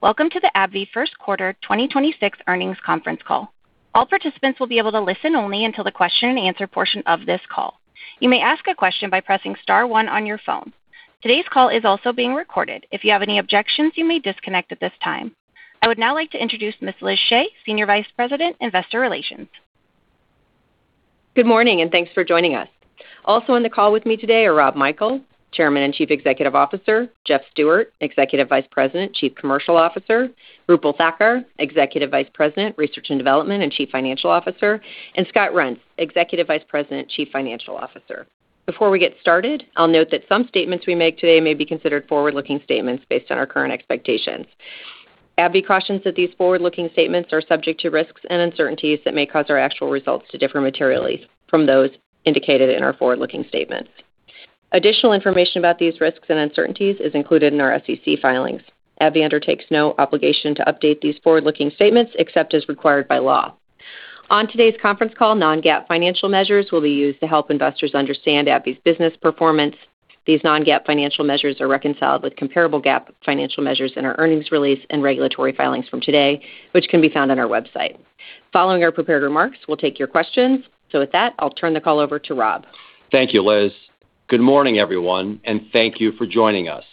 Welcome to the AbbVie First Quarter 2026 Earnings Conference Call. All participants will be able to listen only until the question and answer portion of this call. You may ask a question by pressing star one on your phone. Today's call is also being recorded. If you have any objections, you may disconnect at this time. I would now like to introduce Ms. Liz Shea, Senior Vice President, Investor Relations. Good morning. Thanks for joining us. Also on the call with me today are Rob Michael, Chairman and Chief Executive Officer, Jeff Stewart, Executive Vice President, Chief Commercial Officer, Roopal Thakkar, Executive Vice President, Research and Development and Chief Scientific Officer, and Scott Reents, Executive Vice President, Chief Financial Officer. Before we get started, I'll note that some statements we make today may be considered forward-looking statements based on our current expectations. AbbVie cautions that these forward-looking statements are subject to risks and uncertainties that may cause our actual results to differ materially from those indicated in our forward-looking statements. Additional information about these risks and uncertainties is included in our SEC filings. AbbVie undertakes no obligation to update these forward-looking statements except as required by law. On today's conference call, non-GAAP financial measures will be used to help investors understand AbbVie's business performance. These non-GAAP financial measures are reconciled with comparable GAAP financial measures in our earnings release and regulatory filings from today, which can be found on our website. Following our prepared remarks, we'll take your questions. With that, I'll turn the call over to Rob. Thank you, Liz. Good morning, everyone, and thank you for joining us.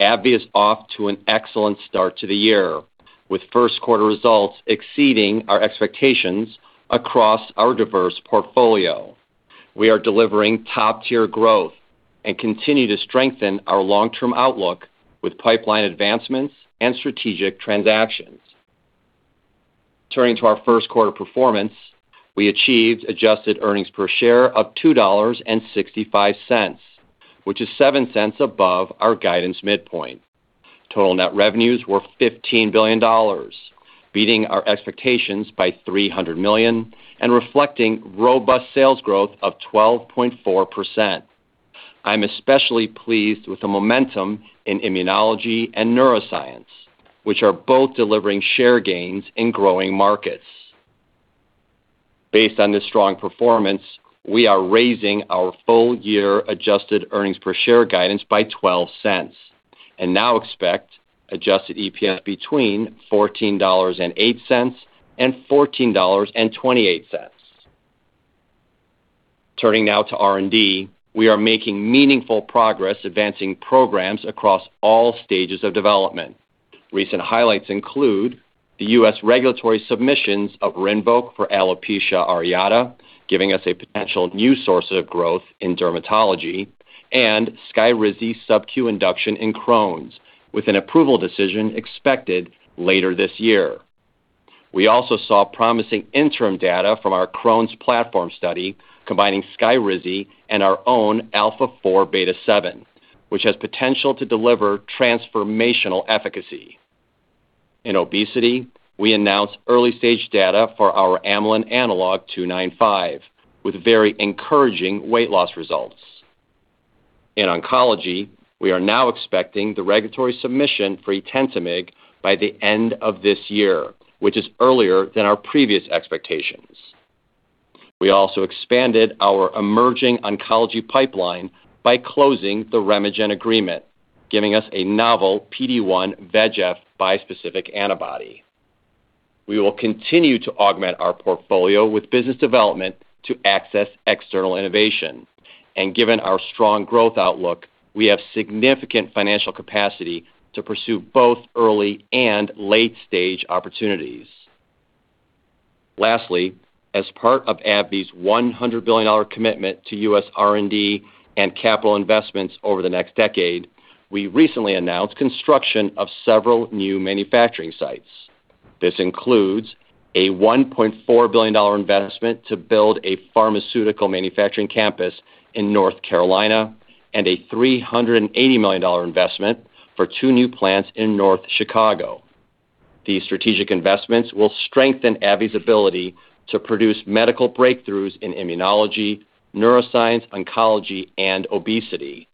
AbbVie is off to an excellent start to the year, with first quarter results exceeding our expectations across our diverse portfolio. We are delivering top-tier growth and continue to strengthen our long-term outlook with pipeline advancements and strategic transactions. Turning to our first quarter performance, we achieved adjusted earnings per share of $2.65, which is $0.07 above our guidance midpoint. Total net revenues were $15 billion, beating our expectations by $300 million and reflecting robust sales growth of 12.4%. I'm especially pleased with the momentum in immunology and neuroscience, which are both delivering share gains in growing markets. Based on this strong performance, we are raising our full year adjusted earnings per share guidance by $0.12 and now expect adjusted EPS between $14.08 and $14.28. Turning now to R&D, we are making meaningful progress advancing programs across all stages of development. Recent highlights include the U.S. regulatory submissions of RINVOQ for alopecia areata, giving us a potential new source of growth in dermatology, and SKYRIZI sub-Q induction in Crohn's, with an approval decision expected later this year. We also saw promising interim data from our Crohn's platform study combining SKYRIZI and our own alpha-4 beta-7, which has potential to deliver transformational efficacy. In obesity, we announced early stage data for our amylin analog ABBV-295 with very encouraging weight loss results. In oncology, we are now expecting the regulatory submission for Etentamig by the end of this year, which is earlier than our previous expectations. We also expanded our emerging oncology pipeline by closing the RemeGen agreement, giving us a novel PD-1/VEGF bispecific antibody. We will continue to augment our portfolio with business development to access external innovation. Given our strong growth outlook, we have significant financial capacity to pursue both early and late-stage opportunities. Lastly, as part of AbbVie's $100 billion commitment to U.S. R&D and capital investments over the next decade, we recently announced construction of several new manufacturing sites. This includes a $1.4 billion investment to build a pharmaceutical manufacturing campus in North Carolina and a $380 million investment for two new plants in North Chicago. These strategic investments will strengthen AbbVie's ability to produce medical breakthroughs in immunology, neuroscience, oncology, and obesity.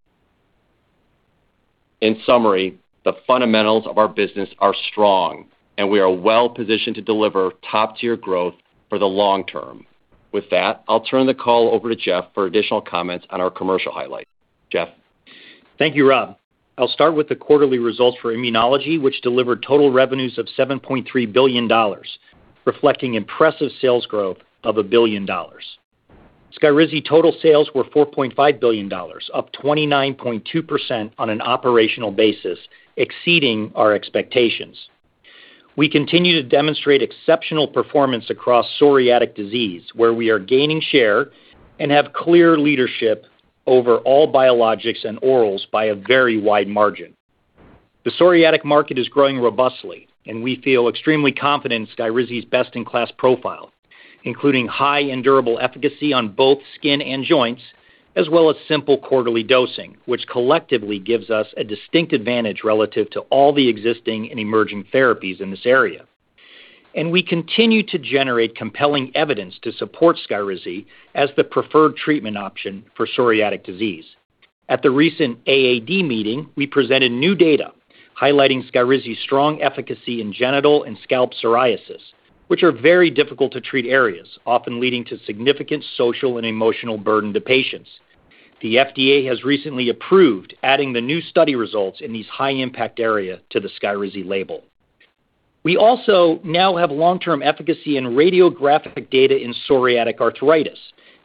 In summary, the fundamentals of our business are strong, and we are well-positioned to deliver top-tier growth for the long term. With that, I'll turn the call over to Jeff for additional comments on our commercial highlights. Jeff? Thank you, Rob. I'll start with the quarterly results for immunology, which delivered total revenues of $7.3 billion, reflecting impressive sales growth of $1 billion. SKYRIZI total sales were $4.5 billion, up 29.2% on an operational basis, exceeding our expectations. We continue to demonstrate exceptional performance across psoriatic disease, where we are gaining share and have clear leadership over all biologics and orals by a very wide margin. The psoriatic market is growing robustly, and we feel extremely confident in SKYRIZI's best-in-class profile, including high-end durable efficacy on both skin and joints, as well as simple quarterly dosing, which collectively gives us a distinct advantage relative to all the existing and emerging therapies in this area. We continue to generate compelling evidence to support SKYRIZI as the preferred treatment option for psoriatic disease. At the recent AAD meeting, we presented new data highlighting SKYRIZI's strong efficacy in genital and scalp psoriasis, which are very difficult to treat areas, often leading to significant social and emotional burden to patients. The FDA has recently approved adding the new study results in these high impact area to the SKYRIZI label. We also now have long-term efficacy and radiographic data in psoriatic arthritis,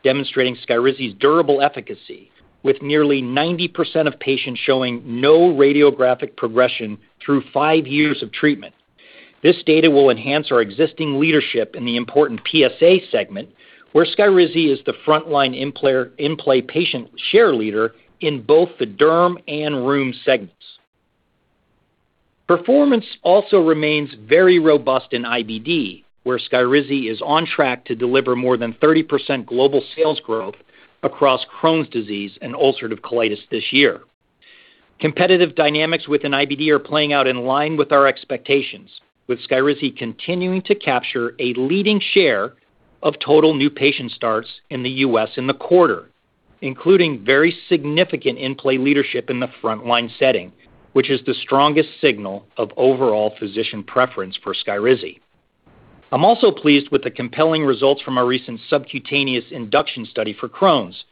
demonstrating SKYRIZI's durable efficacy with nearly 90% of patients showing no radiographic progression through five years of treatment. This data will enhance our existing leadership in the important PSA segment, where SKYRIZI is the frontline in-play patient share leader in both the derm and rheum segments. Performance also remains very robust in IBD, where SKYRIZI is on track to deliver more than 30% global sales growth across Crohn's disease and ulcerative colitis this year. Competitive dynamics within IBD are playing out in line with our expectations, with SKYRIZI continuing to capture a leading share of total new patient starts in the U.S. in the quarter, including very significant in-play leadership in the frontline setting, which is the strongest signal of overall physician preference for SKYRIZI. I'm also pleased with the compelling results from our recent subcutaneous induction study for Crohn's,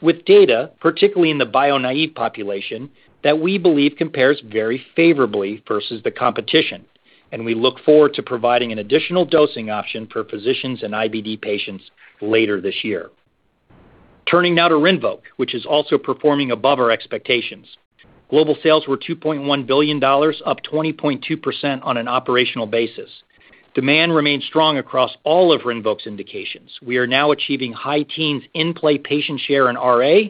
with data, particularly in the bio naïve population that we believe compares very favorably versus the competition. We look forward to providing an additional dosing option for physicians and IBD patients later this year. Turning now to RINVOQ, which is also performing above our expectations. Global sales were $2.1 billion, up 20.2% on an operational basis. Demand remains strong across all of RINVOQ's indications. We are now achieving high teens in-play patient share in RA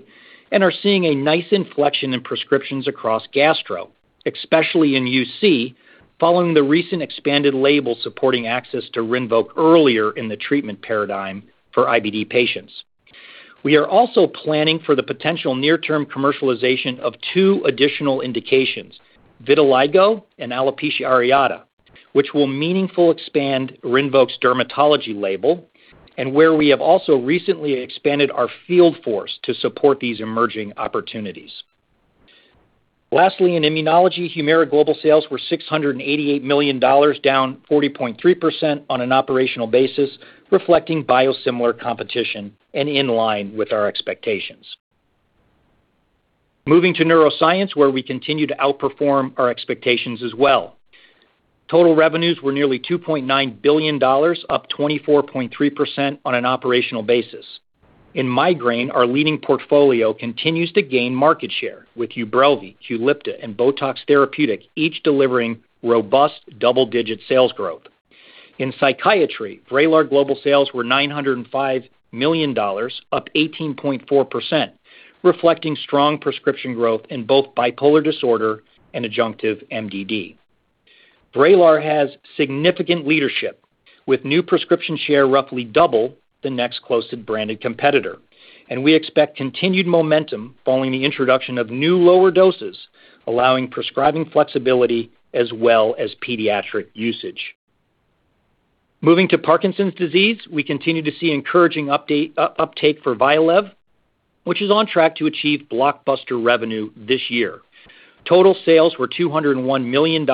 and are seeing a nice inflection in prescriptions across gastro, especially in UC, following the recent expanded label supporting access to RINVOQ earlier in the treatment paradigm for IBD patients. We are also planning for the potential near-term commercialization of two additional indications, vitiligo and alopecia areata, which will meaningful expand RINVOQ's dermatology label and where we have also recently expanded our field force to support these emerging opportunities. Lastly, in immunology, HUMIRA global sales were $688 million, down 40.3% on an operational basis, reflecting biosimilar competition and in line with our expectations. Moving to neuroscience, where we continue to outperform our expectations as well. Total revenues were nearly $2.9 billion, up 24.3% on an operational basis. In migraine, our leading portfolio continues to gain market share with UBRELVY, QULIPTA, and BOTOX therapeutic, each delivering robust double-digit sales growth. In psychiatry, VRAYLAR global sales were $905 million, up 18.4%, reflecting strong prescription growth in both bipolar disorder and adjunctive MDD. VRAYLAR has significant leadership with new prescription share roughly double the next closest branded competitor, and we expect continued momentum following the introduction of new lower doses, allowing prescribing flexibility as well as pediatric usage. Moving to Parkinson's disease, we continue to see encouraging uptake for VYALEV, which is on track to achieve blockbuster revenue this year. Total sales were $201 million,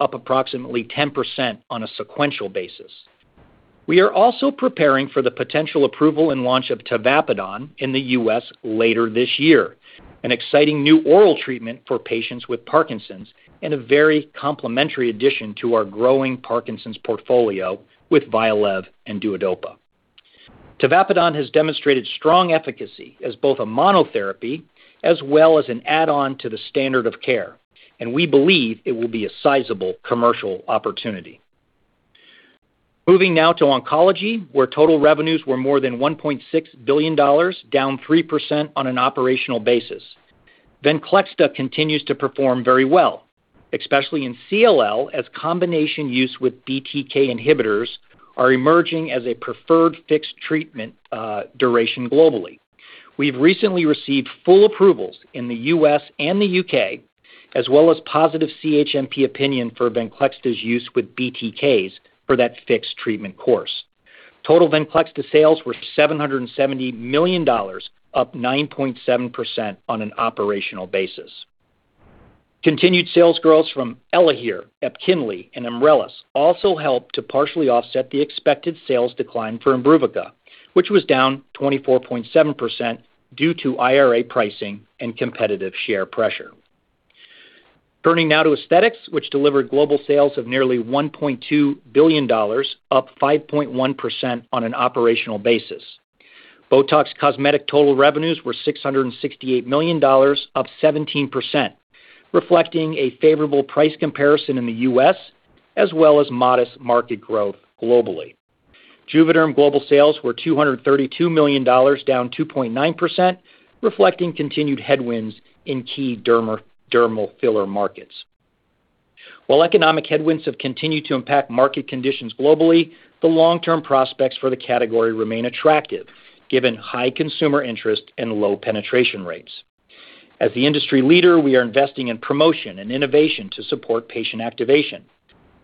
up approximately 10% on a sequential basis. We are also preparing for the potential approval and launch of tavapadon in the U.S. later this year, an exciting new oral treatment for patients with Parkinson's and a very complementary addition to our growing Parkinson's portfolio with VYALEV and DUODOPA. Tavapadon has demonstrated strong efficacy as both a monotherapy as well as an add-on to the standard of care. We believe it will be a sizable commercial opportunity. Moving now to oncology, where total revenues were more than $1.6 billion, down 3% on an operational basis. VENCLEXTA continues to perform very well, especially in CLL, as combination use with BTK inhibitors are emerging as a preferred fixed treatment duration globally. We've recently received full approvals in the U.S. and the U.K., as well as positive CHMP opinion for VENCLEXTA's use with BTKs for that fixed treatment course. Total VENCLEXTA sales were $770 million, up 9.7% on an operational basis. Continued sales growth from ELAHERE, EPKINLY, and EMRELIS also helped to partially offset the expected sales decline for IMBRUVICA, which was down 24.7% due to IRA pricing and competitive share pressure. Turning now to aesthetics, which delivered global sales of nearly $1.2 billion, up 5.1% on an operational basis. BOTOX Cosmetic total revenues were $668 million, up 17%, reflecting a favorable price comparison in the U.S. as well as modest market growth globally. JUVÉDERM global sales were $232 million, down 2.9%, reflecting continued headwinds in key dermal filler markets. While economic headwinds have continued to impact market conditions globally, the long-term prospects for the category remain attractive given high consumer interest and low penetration rates. As the industry leader, we are investing in promotion and innovation to support patient activation.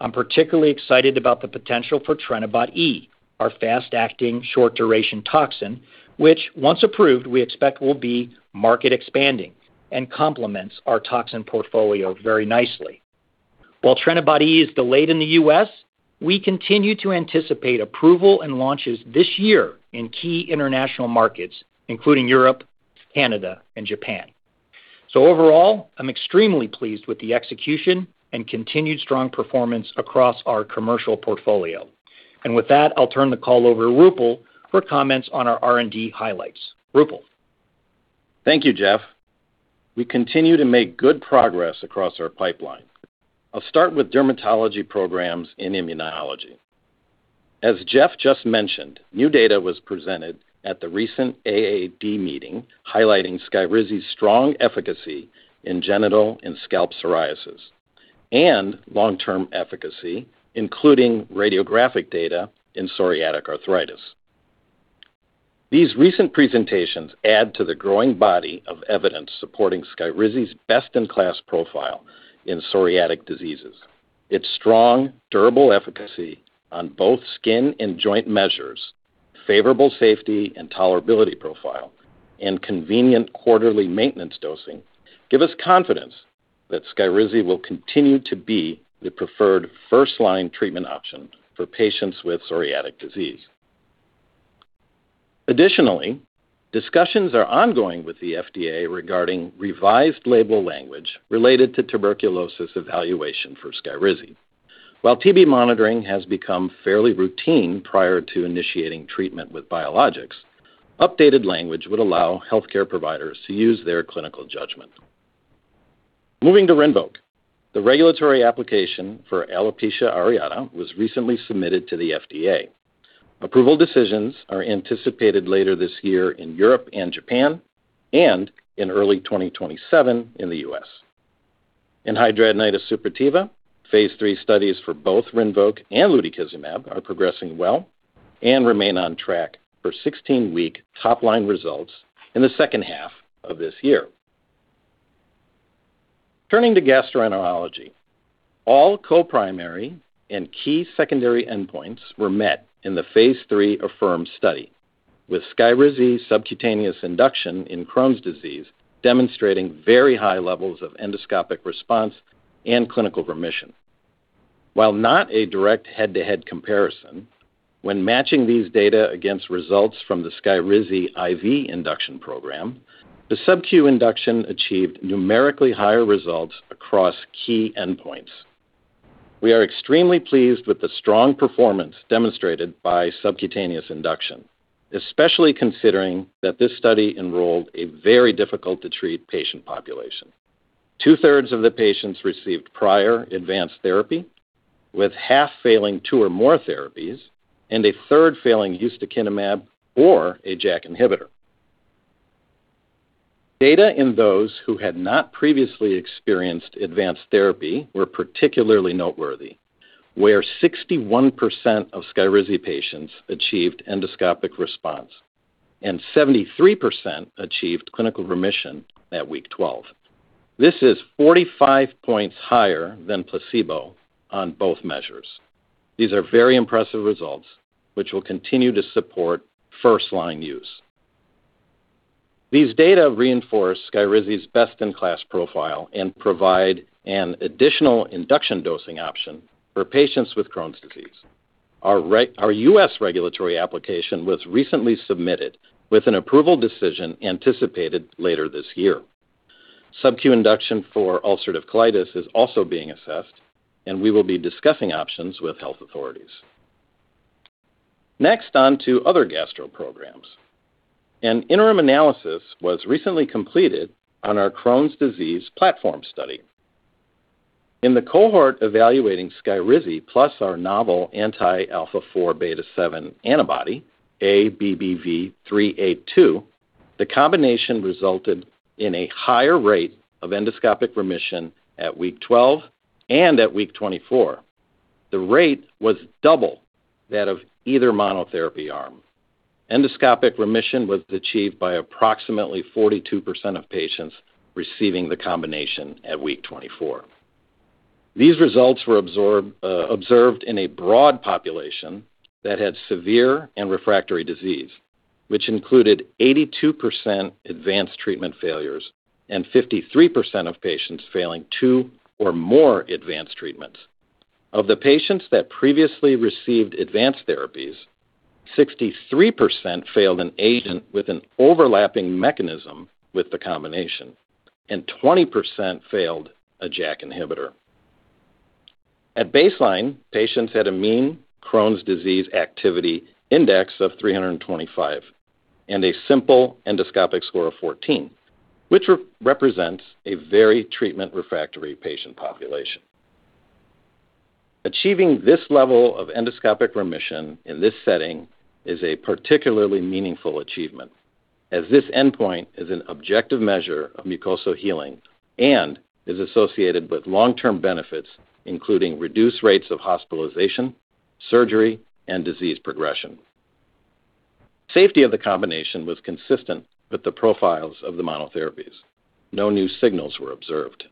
I'm particularly excited about the potential for TrenibotE, our fast-acting, short-duration toxin, which once approved, we expect will be market expanding and complements our toxin portfolio very nicely. While TrenibotE is delayed in the U.S., we continue to anticipate approval and launches this year in key international markets, including Europe, Canada, and Japan. Overall, I'm extremely pleased with the execution and continued strong performance across our commercial portfolio. With that, I'll turn the call over to Roopal for comments on our R&D highlights. Roopal. Thank you, Jeff. We continue to make good progress across our pipeline. I'll start with dermatology programs in immunology. As Jeff just mentioned, new data was presented at the recent AAD meeting highlighting SKYRIZI's strong efficacy in genital and scalp psoriasis and long-term efficacy, including radiographic data in psoriatic arthritis. These recent presentations add to the growing body of evidence supporting SKYRIZI's best-in-class profile in psoriatic diseases. Its strong, durable efficacy on both skin and joint measures, favorable safety and tolerability profile, and convenient quarterly maintenance dosing give us confidence that SKYRIZI will continue to be the preferred first-line treatment option for patients with psoriatic disease. Additionally, discussions are ongoing with the FDA regarding revised label language related to tuberculosis evaluation for SKYRIZI. While TB monitoring has become fairly routine prior to initiating treatment with biologics, updated language would allow healthcare providers to use their clinical judgment. Moving to RINVOQ, the regulatory application for alopecia areata was recently submitted to the FDA. Approval decisions are anticipated later this year in Europe and Japan and in early 2027 in the U.S. In hidradenitis suppurativa, phase III studies for both RINVOQ and lutikizumab are progressing well and remain on track for 16-week top-line results in the second half of this year. Turning to gastroenterology, all co-primary and key secondary endpoints were met in the phase III AFFIRM study, with SKYRIZI subcutaneous induction in Crohn's disease demonstrating very high levels of endoscopic response and clinical remission. While not a direct head-to-head comparison, when matching these data against results from the SKYRIZI IV induction program, the subcu induction achieved numerically higher results across key endpoints. We are extremely pleased with the strong performance demonstrated by subcutaneous induction, especially considering that this study enrolled a very difficult-to-treat patient population. Two-thirds of the patients received prior advanced therapy, with half failing two or more therapies and a third failing ustekinumab or a JAK inhibitor. Data in those who had not previously experienced advanced therapy were particularly noteworthy, where 61% of SKYRIZI patients achieved endoscopic response and 73% achieved clinical remission at week 12. This is 45 points higher than placebo on both measures. These are very impressive results, which will continue to support first-line use. These data reinforce SKYRIZI's best-in-class profile and provide an additional induction dosing option for patients with Crohn's disease. Our U.S. regulatory application was recently submitted with an approval decision anticipated later this year. Subcu induction for ulcerative colitis is also being assessed, we will be discussing options with health authorities. On to other gastro programs. An interim analysis was recently completed on our Crohn's disease platform study. In the cohort evaluating SKYRIZI plus our novel anti-alpha-4 beta-7 antibody, ABBV-382, the combination resulted in a higher rate of endoscopic remission at week 12 and at week 24. The rate was double that of either monotherapy arm. Endoscopic remission was achieved by approximately 42% of patients receiving the combination at week 24. These results were observed in a broad population that had severe and refractory disease, which included 82% advanced treatment failures and 53% of patients failing two or more advanced treatments. Of the patients that previously received advanced therapies, 63% failed an agent with an overlapping mechanism with the combination, and 20% failed a JAK inhibitor. At baseline, patients had a mean Crohn's disease activity index of 325 and a simple endoscopic score of 14, which represents a very treatment-refractory patient population. Achieving this level of endoscopic remission in this setting is a particularly meaningful achievement, as this endpoint is an objective measure of mucosal healing and is associated with long-term benefits, including reduced rates of hospitalization, surgery, and disease progression. Safety of the combination was consistent with the profiles of the monotherapies. No new signals were observed.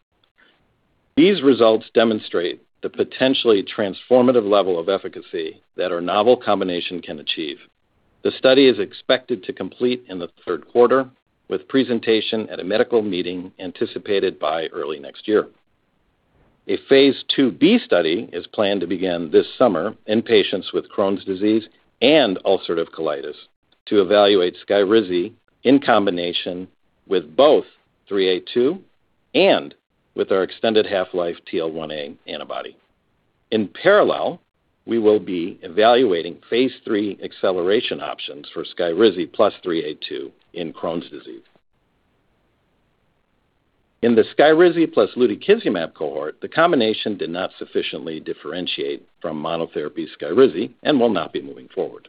These results demonstrate the potentially transformative level of efficacy that our novel combination can achieve. The study is expected to complete in the third quarter, with presentation at a medical meeting anticipated by early next year. A phase IIb study is planned to begin this summer in patients with Crohn's disease and ulcerative colitis to evaluate SKYRIZI in combination with both ABBV-382 and with our extended half-life TL1A antibody. In parallel, we will be evaluating phase III acceleration options for SKYRIZI plus ABBV-382 in Crohn's disease. In the SKYRIZI plus lutikizumab cohort, the combination did not sufficiently differentiate from monotherapy SKYRIZI and will not be moving forward.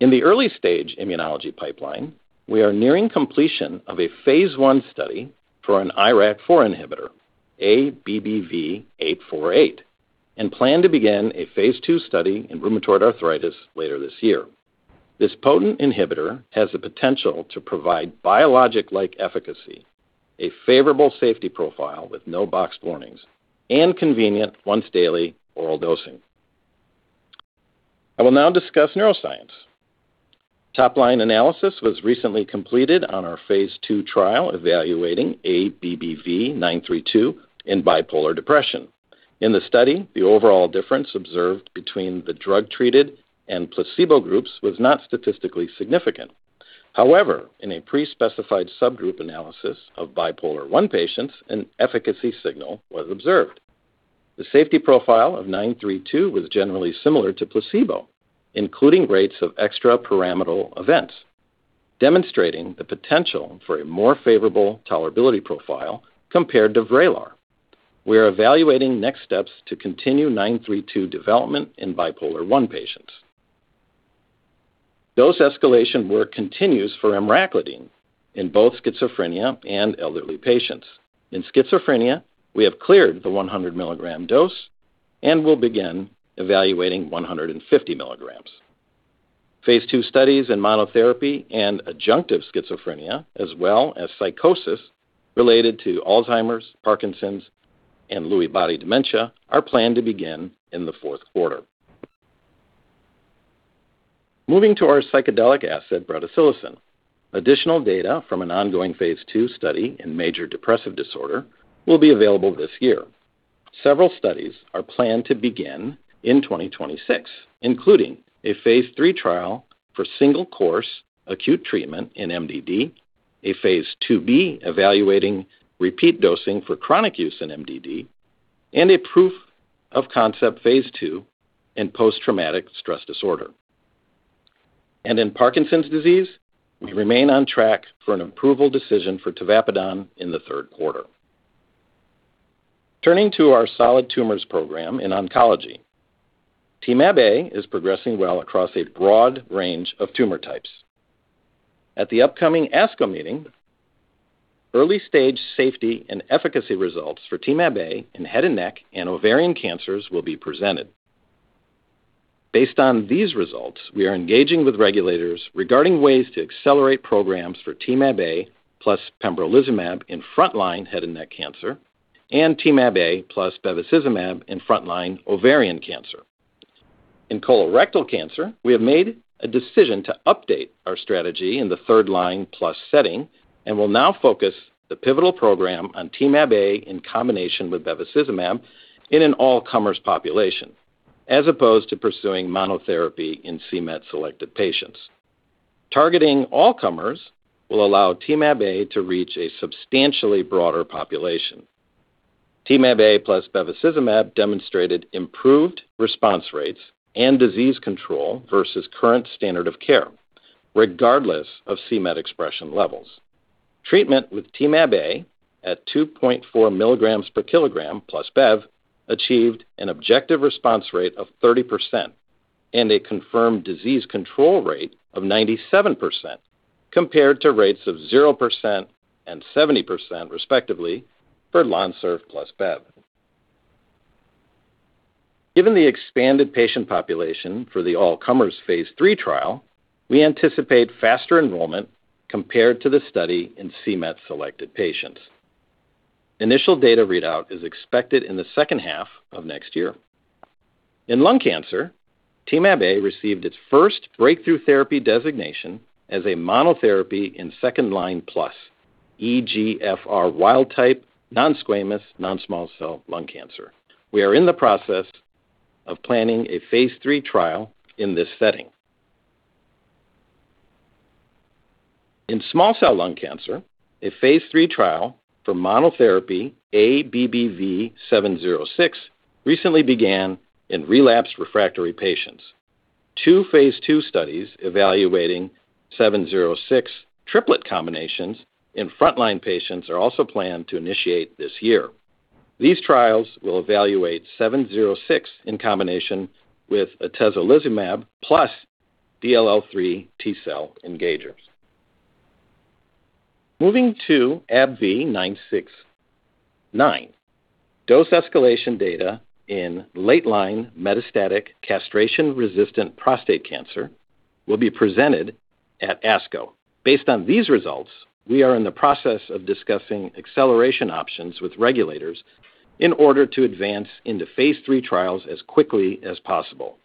In the early stage immunology pipeline, we are nearing completion of a phase I study for an IRAK4 inhibitor, ABBV-848, and plan to begin a phase II study in rheumatoid arthritis later this year. This potent inhibitor has the potential to provide biologic like efficacy, a favorable safety profile with no box warnings, and convenient once daily oral dosing. I will now discuss neuroscience. Top line analysis was recently completed on our phase II trial evaluating ABBV-932 in bipolar depression. In the study, the overall difference observed between the drug-treated and placebo groups was not statistically significant. However, in a pre-specified subgroup analysis of bipolar I patients, an efficacy signal was observed. The safety profile of ABBV-932 was generally similar to placebo, including rates of extrapyramidal events, demonstrating the potential for a more favorable tolerability profile compared to VRAYLAR. We are evaluating next steps to continue ABBV-932 development in bipolar I patients. Dose escalation work continues for emraclidine in both schizophrenia and elderly patients. In schizophrenia, we have cleared the 100 mg dose and will begin evaluating 150 mg. phase II studies in monotherapy and adjunctive schizophrenia, as well as psychosis related to Alzheimer's, Parkinson's, and Lewy body dementia, are planned to begin in the fourth quarter. Moving to our psychedelic asset, Bretisilocin, additional data from an ongoing phase II study in major depressive disorder will be available this year. Several studies are planned to begin in 2026, including a phase III trial for single course acute treatment in MDD, a phase IIb evaluating repeat dosing for chronic use in MDD, and a proof of concept phase II in post-traumatic stress disorder. In Parkinson's disease, we remain on track for an approval decision for tavapadon in the third quarter. Turning to our solid tumors program in oncology, Temab-A is progressing well across a broad range of tumor types. At the upcoming ASCO meeting, early stage safety and efficacy results for Temab-A in head and neck and ovarian cancers will be presented. Based on these results, we are engaging with regulators regarding ways to accelerate programs for Temab-A plus pembrolizumab in frontline head and neck cancer and Temab-A plus bevacizumab in frontline ovarian cancer. In colorectal cancer, we have made a decision to update our strategy in the third line plus setting and will now focus the pivotal program on Temab-A in combination with bevacizumab in an all-comers population, as opposed to pursuing monotherapy in c-Met selected patients. Targeting all comers will allow Temab-A to reach a substantially broader population. Temab-A plus bevacizumab demonstrated improved response rates and disease control versus current standard of care, regardless of c-Met expression levels. Treatment with Temab-A at 2.4 mg/kg plus Bev achieved an objective response rate of 30% and a confirmed disease control rate of 97% compared to rates of 0% and 70% respectively for Lonsurf plus Bev. Given the expanded patient population for the all comers phase III trial, we anticipate faster enrollment compared to the study in c-Met selected patients. Initial data readout is expected in the second half of next year. In lung cancer, Temab-A received its first breakthrough therapy designation as a monotherapy in second-line plus EGFR wild type non-squamous non-small cell lung cancer. We are in the process of planning a phase III trial in this setting. In small cell lung cancer, a phase III trial for monotherapy ABBV-706 recently began in relapsed refractory patients. Two phase II studies evaluating ABBV-706 triplet combinations in frontline patients are also planned to initiate this year. These trials will evaluate ABBV-706 in combination with atezolizumab plus DLL3 T-cell engagers. Moving to ABBV-969, dose escalation data in late-line metastatic castration resistant prostate cancer will be presented at ASCO. Based on these results, we are in the process of discussing acceleration options with regulators in order to advance into phase III trials as quickly as possible.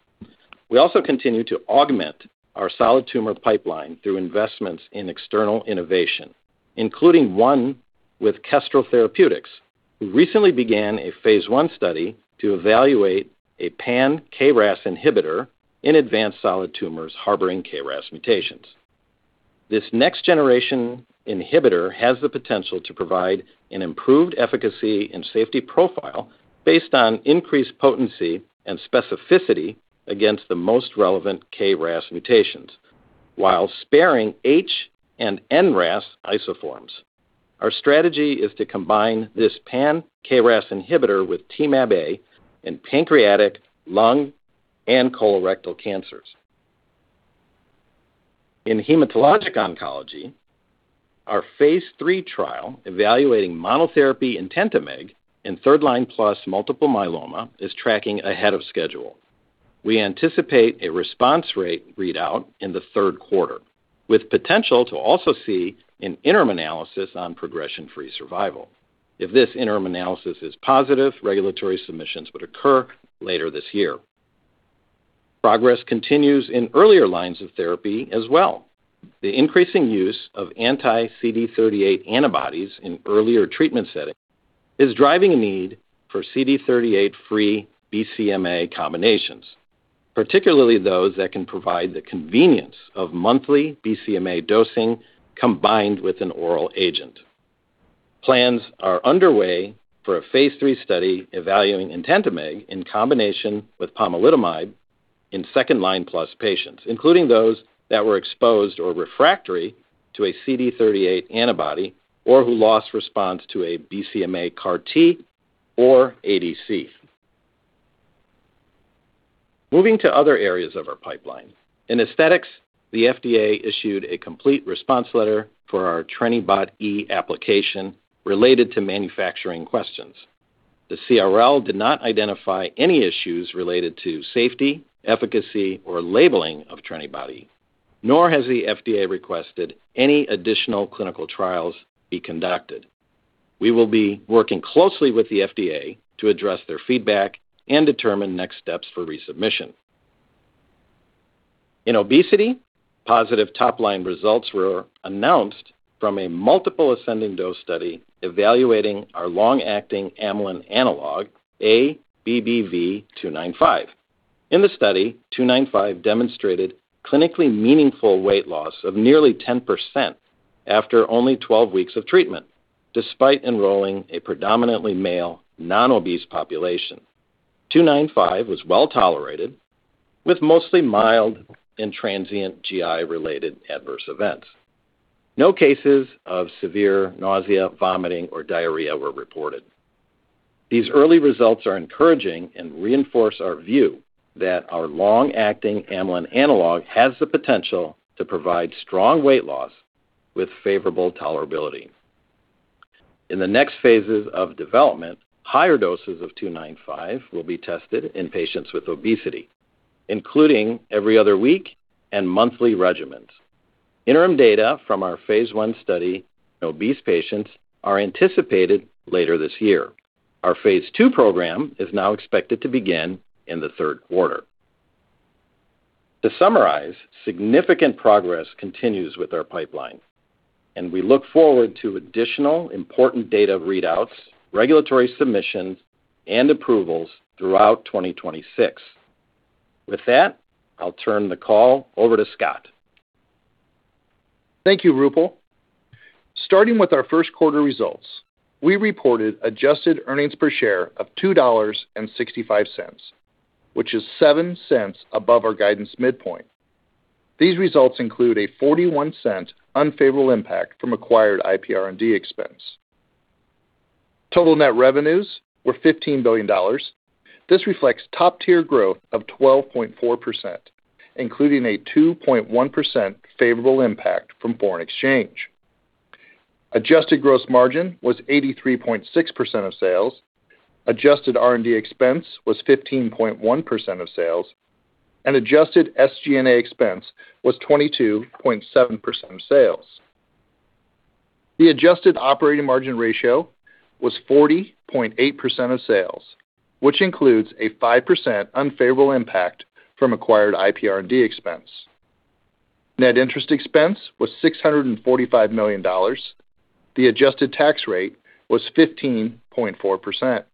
We also continue to augment our solid tumor pipeline through investments in external innovation, including one with Kestrel Therapeutics, who recently began a phase I study to evaluate a pan-KRAS inhibitor in advanced solid tumors harboring KRAS mutations. This next-generation inhibitor has the potential to provide an improved efficacy and safety profile based on increased potency and specificity against the most relevant KRAS mutations while sparing H- and N-RAS isoforms. Our strategy is to combine this pan-KRAS inhibitor with Temab-A in pancreatic, lung, and colorectal cancers. In hematologic oncology, our phase III trial evaluating monotherapy Etentamig in third-line plus multiple myeloma is tracking ahead of schedule. We anticipate a response rate readout in the third quarter, with potential to also see an interim analysis on progression-free survival. If this interim analysis is positive, regulatory submissions would occur later this year. Progress continues in earlier lines of therapy as well. The increasing use of anti-CD38 antibodies in earlier treatment settings is driving a need for CD38-free BCMA combinations, particularly those that can provide the convenience of monthly BCMA dosing combined with an oral agent. Plans are underway for a phase III study evaluating Etentamig in combination with pomalidomide in second-line plus patients, including those that were exposed or refractory to a CD38 antibody or who lost response to a BCMA CAR-T or ADC. Moving to other areas of our pipeline. In aesthetics, the FDA issued a complete response letter for our TrenibotE application related to manufacturing questions. The CRL did not identify any issues related to safety, efficacy or labeling of TrenibotE, nor has the FDA requested any additional clinical trials be conducted. We will be working closely with the FDA to address their feedback and determine next steps for resubmission. In obesity, positive top-line results were announced from a multiple ascending dose study evaluating our long-acting amylin analog, ABBV-295. In the study, ABBV-295 demonstrated clinically meaningful weight loss of nearly 10% after only 12 weeks of treatment, despite enrolling a predominantly male, non-obese population. ABBV-295 was well-tolerated with mostly mild and transient GI-related adverse events. No cases of severe nausea, vomiting or diarrhea were reported. These early results are encouraging and reinforce our view that our long-acting amylin analog has the potential to provide strong weight loss with favorable tolerability. In the next phases of development, higher doses of ABBV-295 will be tested in patients with obesity, including every other week and monthly regimens. Interim data from our phase I study in obese patients are anticipated later this year. Our phase II program is now expected to begin in the third quarter. To summarize, significant progress continues with our pipeline, and we look forward to additional important data readouts, regulatory submissions and approvals throughout 2026. With that, I'll turn the call over to Scott. Thank you, Roopal. Starting with our first quarter results, we reported adjusted earnings per share of $2.65, which is $0.07 above our guidance midpoint. These results include a $0.41 unfavorable impact from acquired IP R&D expense. Total net revenues were $15 billion. This reflects top-tier growth of 12.4%, including a 2.1% favorable impact from foreign exchange. Adjusted gross margin was 83.6% of sales. Adjusted R&D expense was 15.1% of sales, and adjusted SG&A expense was 22.7% of sales. The adjusted operating margin ratio was 40.8% of sales, which includes a 5% unfavorable impact from acquired IP R&D expense. Net interest expense was $645 million. The adjusted tax rate was 15.4%.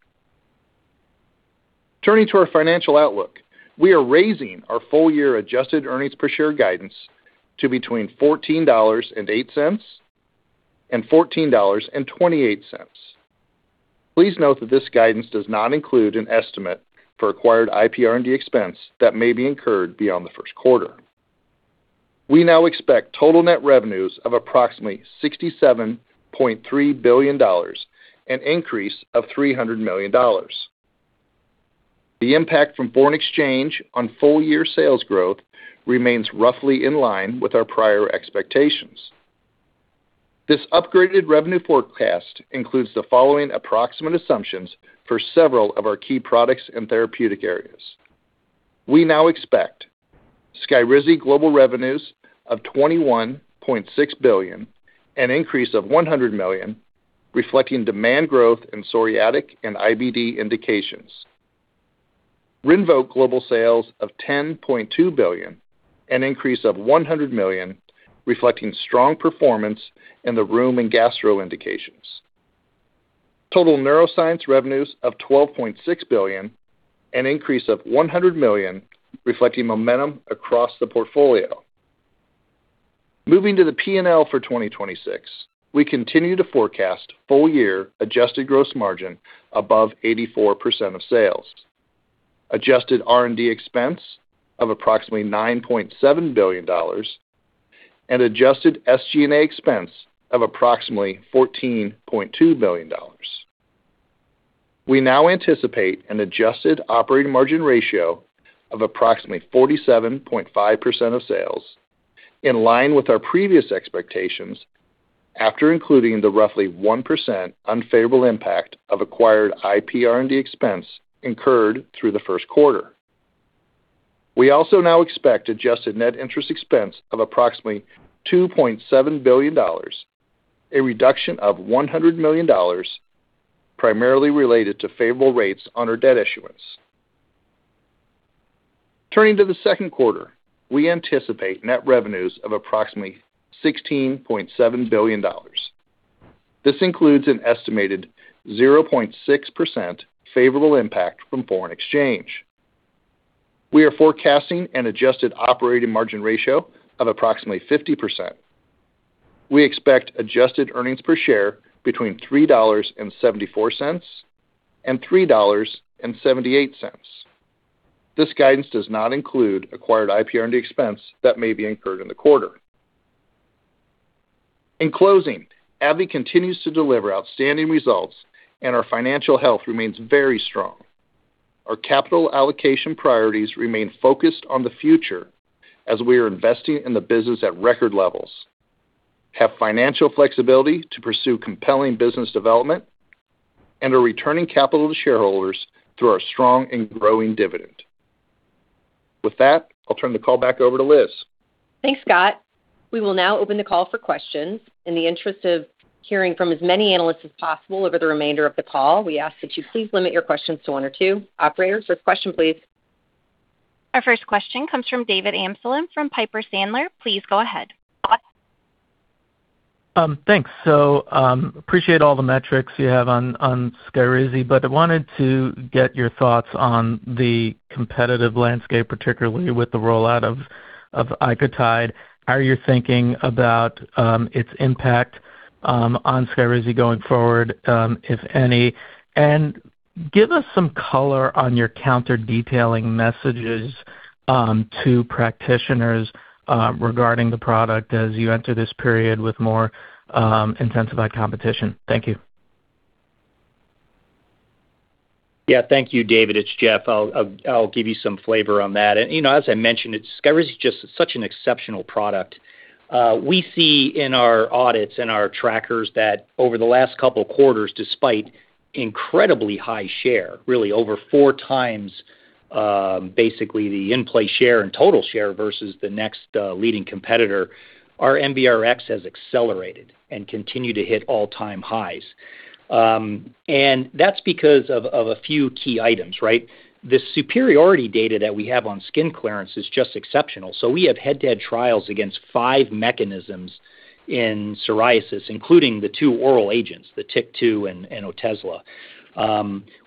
Turning to our financial outlook, we are raising our full-year adjusted earnings per share guidance to between $14.08 and $14.28. Please note that this guidance does not include an estimate for acquired IP R&D expense that may be incurred beyond the first quarter. We now expect total net revenues of approximately $67.3 billion, an increase of $300 million. The impact from foreign exchange on full-year sales growth remains roughly in line with our prior expectations. This upgraded revenue forecast includes the following approximate assumptions for several of our key products and therapeutic areas. We now expect SKYRIZI global revenues of $21.6 billion, an increase of $100 million, reflecting demand growth in psoriatic and IBD indications. RINVOQ global sales of $10.2 billion, an increase of $100 million, reflecting strong performance in the rheum and gastro indications. Total neuroscience revenues of $12.6 billion, an increase of $100 million, reflecting momentum across the portfolio. Moving to the P&L for 2026, we continue to forecast full-year adjusted gross margin above 84% of sales, adjusted R&D expense of approximately $9.7 billion, and adjusted SG&A expense of approximately $14.2 billion. We now anticipate an adjusted operating margin ratio of approximately 47.5% of sales, in line with our previous expectations after including the roughly 1% unfavorable impact of acquired IP R&D expense incurred through the first quarter. We also now expect adjusted net interest expense of approximately $2.7 billion, a reduction of $100 million, primarily related to favorable rates on our debt issuance. Turning to the second quarter, we anticipate net revenues of approximately $16.7 billion. This includes an estimated 0.6% favorable impact from foreign exchange. We are forecasting an adjusted operating margin ratio of approximately 50%. We expect adjusted earnings per share between $3.74 and $3.78. This guidance does not include acquired IP R&D expense that may be incurred in the quarter. In closing, AbbVie continues to deliver outstanding results, and our financial health remains very strong. Our capital allocation priorities remain focused on the future as we are investing in the business at record levels, have financial flexibility to pursue compelling business development, and are returning capital to shareholders through our strong and growing dividend. With that, I'll turn the call back over to Liz. Thanks, Scott. We will now open the call for questions. In the interest of hearing from as many analysts as possible over the remainder of the call, we ask that you please limit your questions to one or two. Operator, first question, please. Our first question comes from David Amsellem from Piper Sandler. Please go ahead. Thanks. Appreciate all the metrics you have on SKYRIZI, but I wanted to get your thoughts on the competitive landscape, particularly with the rollout of Icotyde. How are you thinking about its impact on SKYRIZI going forward, if any? Give us some color on your counter-detailing messages to practitioners regarding the product as you enter this period with more intensified competition. Thank you. Thank you, David. It's Jeff. I'll give you some flavor on that. You know, as I mentioned, SKYRIZI is just such an exceptional product. We see in our audits and our trackers that over the last couple quarters, despite incredibly high share, really over four times basically the in-play share and total share versus the next leading competitor, our NBRx has accelerated and continue to hit all-time highs. That's because of a few key items, right? The superiority data that we have on skin clearance is just exceptional. We have head-to-head trials against five mechanisms in psoriasis, including the two oral agents, the TYK2 and Otezla.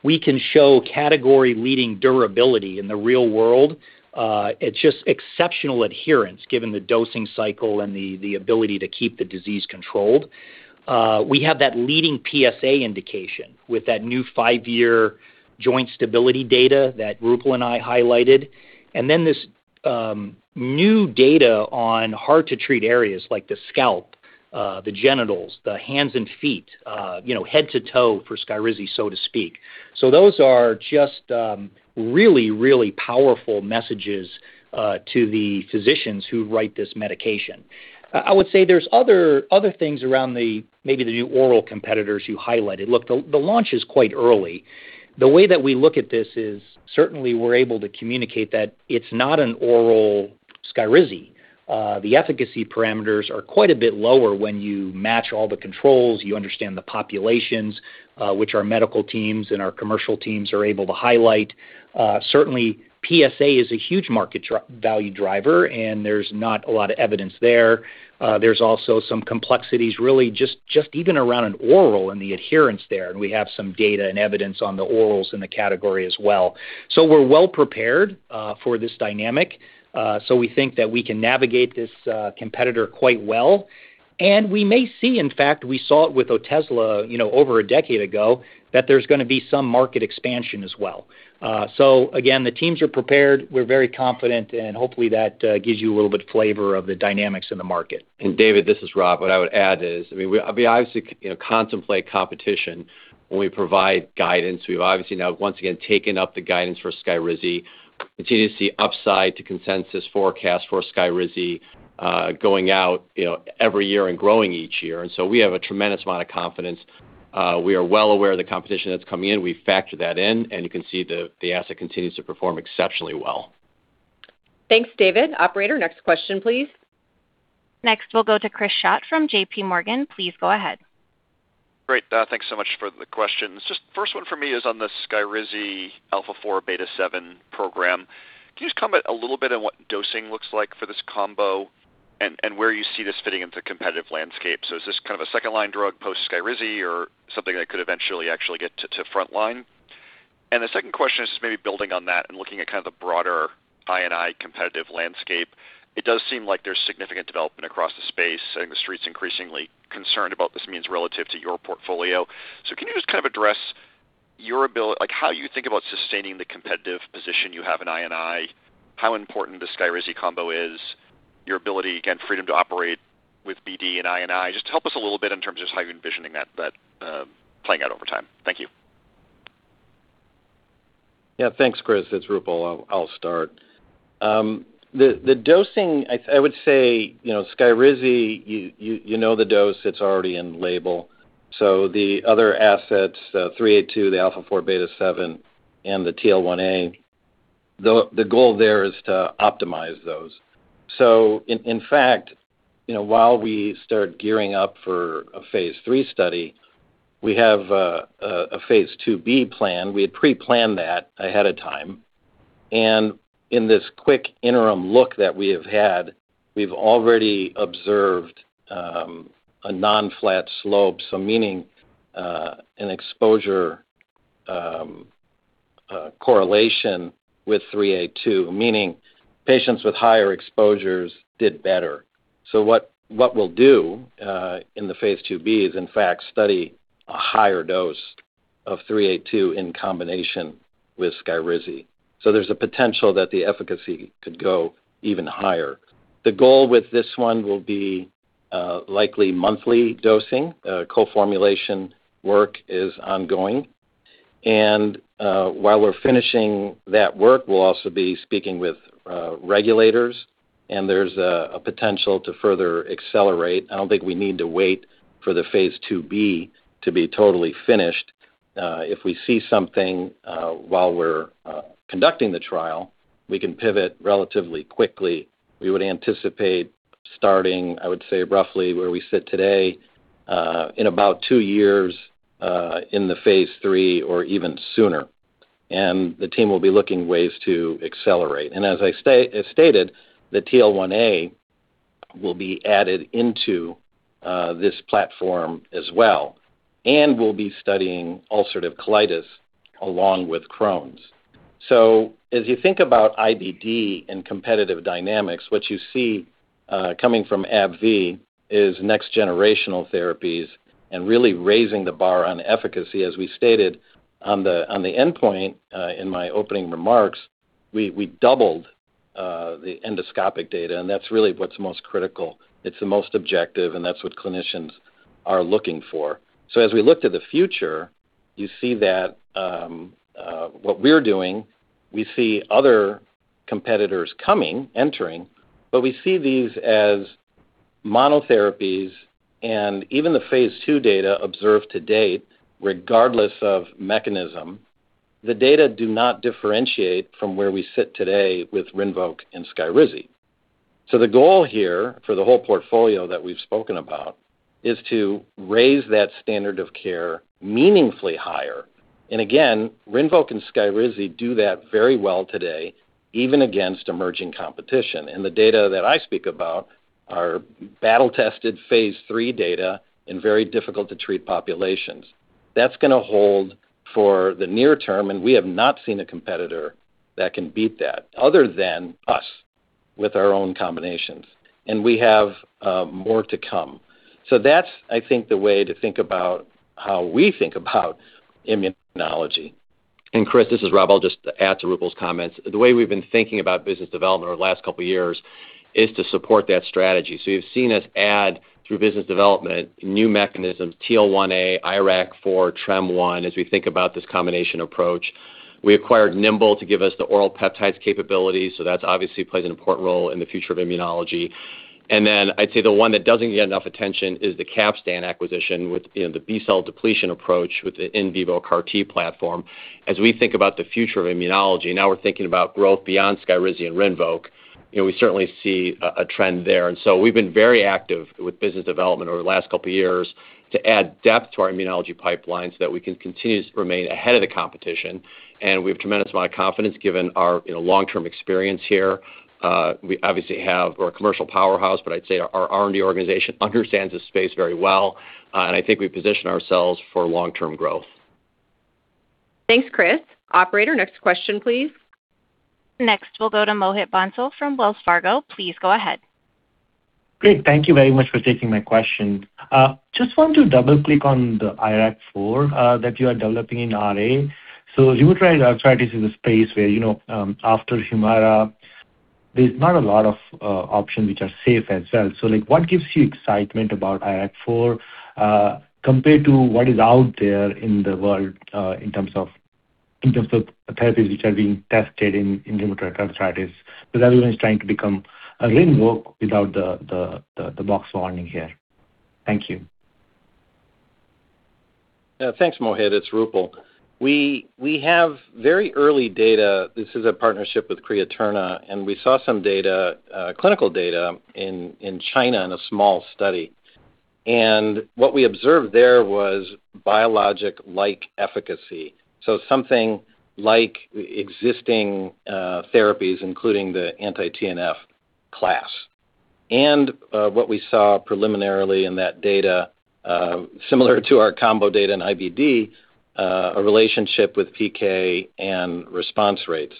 We can show category-leading durability in the real world and just exceptional adherence given the dosing cycle and the ability to keep the disease controlled. We have that leading PSA indication with that new five-year joint stability data that Roopal and I highlighted. This new data on hard-to-treat areas like the scalp, the genitals, the hands and feet, you know, head to toe for SKYRIZI, so to speak. Those are just really powerful messages to the physicians who write this medication. I would say there's other things around the, maybe the new oral competitors you highlighted. The launch is quite early. The way that we look at this is certainly we're able to communicate that it's not an oral SKYRIZI. The efficacy parameters are quite a bit lower when you match all the controls, you understand the populations, which our medical teams and our commercial teams are able to highlight. Certainly PSA is a huge market value driver, and there's not a lot of evidence there. There's also some complexities really just even around an oral and the adherence there, and we have some data and evidence on the orals in the category as well. We're well prepared for this dynamic. We think that we can navigate this competitor quite well. We may see, in fact, we saw it with Otezla, you know, over a decade ago, that there's gonna be some market expansion as well. Again, the teams are prepared. We're very confident, and hopefully that gives you a little bit of flavor of the dynamics in the market. David, this is Rob. What I would add is, I mean, we obviously, you know, contemplate competition when we provide guidance. We've obviously now once again taken up the guidance for SKYRIZI. Continue to see upside to consensus forecast for SKYRIZI, going out, you know, every year and growing each year. We have a tremendous amount of confidence. We are well aware of the competition that's coming in. We factor that in, and you can see the asset continues to perform exceptionally well. Thanks, David. Operator, next question, please. Next, we'll go to Chris Schott from JPMorgan. Please go ahead. Great. Thanks so much for the questions. Just first one for me is on the SKYRIZI alpha-4 beta-7 program. Can you just comment a little bit on what dosing looks like for this combo and where you see this fitting into competitive landscape? Is this kind of a second-line drug post SKYRIZI or something that could eventually actually get to frontline? The second question is just maybe building on that and looking at kind of the broader I&I competitive landscape. It does seem like there's significant development across the space, and the Street's increasingly concerned about this means relative to your portfolio. Can you just kind of address how you think about sustaining the competitive position you have in I&I, how important the SKYRIZI combo is, your ability, again, freedom to operate with BD and I&I. Just help us a little bit in terms of just how you're envisioning that playing out over time. Thank you. Yeah. Thanks, Chris. It's Roopal. I'll start. The dosing I would say, you know, SKYRIZI, you know the dose. It's already in label. The other assets, ABBV-382, the alpha-4 beta-7, and the TL1A, the goal there is to optimize those. In fact, you know, while we start gearing up for a phase III study, we have a phase IIb plan. We had pre-planned that ahead of time. In this quick interim look that we have had, we've already observed a non-flat slope, so meaning an exposure correlation with ABBV-382, meaning patients with higher exposures did better. What we'll do in the phase IIb is in fact study a higher dose of ABBV-382 in combination with SKYRIZI. There's a potential that the efficacy could go even higher. The goal with this one will be likely monthly dosing. Co-formulation work is ongoing. While we're finishing that work, we'll also be speaking with regulators, and there's a potential to further accelerate. I don't think we need to wait for the phase IIb to be totally finished. If we see something while we're conducting the trial, we can pivot relatively quickly. We would anticipate starting, I would say roughly where we sit today, in about two years, in the phase III or even sooner. The team will be looking ways to accelerate. As I stated, the TL1A will be added into this platform as well, and we'll be studying ulcerative colitis along with Crohn's. As you think about IBD and competitive dynamics, what you see coming from AbbVie is next generational therapies and really raising the bar on efficacy. As we stated on the, on the endpoint in my opening remarks, we doubled the endoscopic data, and that's really what's most critical. It's the most objective, and that's what clinicians are looking for. As we look to the future, you see that what we're doing, we see other competitors coming, entering, but we see these as monotherapies and even the phase II data observed to date, regardless of mechanism, the data do not differentiate from where we sit today with RINVOQ and SKYRIZI. The goal here for the whole portfolio that we've spoken about is to raise that standard of care meaningfully higher. Again, RINVOQ and SKYRIZI do that very well today, even against emerging competition. The data that I speak about are battle-tested phase III data in very difficult to treat populations. That's gonna hold for the near term, and we have not seen a competitor that can beat that other than us with our own combinations. We have more to come. That's, I think, the way to think about how we think about immunology. Chris, this is Rob. I'll just add to Roopal's comments. The way we've been thinking about business development over the last couple of years is to support that strategy. You've seen us add through business development, new mechanisms, TL1A, IRAK4, TREM1, as we think about this combination approach. We acquired Nimble to give us the oral peptides capabilities, so that's obviously plays an important role in the future of immunology. Then I'd say the one that doesn't get enough attention is the Capstan acquisition with, you know, the B-cell depletion approach with the in vivo CAR-T platform. As we think about the future of immunology, now we're thinking about growth beyond SKYRIZI and RINVOQ. You know, we certainly see a trend there. We've been very active with business development over the last couple of years to add depth to our immunology pipeline so that we can continue to remain ahead of the competition. We have tremendous amount of confidence given our, you know, long-term experience here. We obviously have our commercial powerhouse, but I'd say our R&D organization understands this space very well. I think we position ourselves for long-term growth. Thanks, Chris. Operator, next question, please. Next, we'll go to Mohit Bansal from Wells Fargo. Please go ahead. Great. Thank you very much for taking my question. Just want to double-click on the IRAK4 that you are developing in RA. rheumatoid arthritis is a space where, you know, after HUMIRA There's not a lot of options which are safe as well. Like what gives you excitement about IRAK4, compared to what is out there in the world, in terms of therapies which are being tested in rheumatoid arthritis? Everyone is trying to become a RINVOQ without the box warning here. Thank you. Thanks, Mohit. It's Roopal. We have very early data. This is a partnership with Createrna, and we saw some data, clinical data in China in a small study. What we observed there was biologic-like efficacy, so something like existing therapies, including the anti-TNF class. What we saw preliminarily in that data, similar to our combo data in IBD, a relationship with PK and response rates.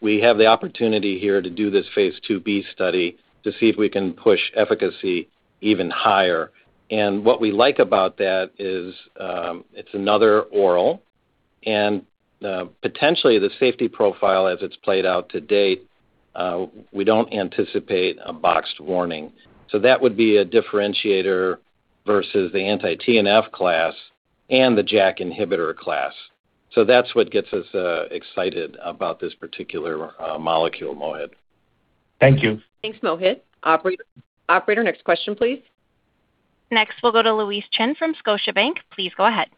We have the opportunity here to do this phase IIb study to see if we can push efficacy even higher. What we like about that is, it's another oral, and potentially the safety profile as it's played out to date, we don't anticipate a boxed warning. That would be a differentiator versus the anti-TNF class and the JAK inhibitor class. That's what gets us excited about this particular molecule, Mohit. Thank you. Thanks, Mohit. Operator, next question, please. Next, we'll go to Louise Chen from Scotiabank. Please go ahead.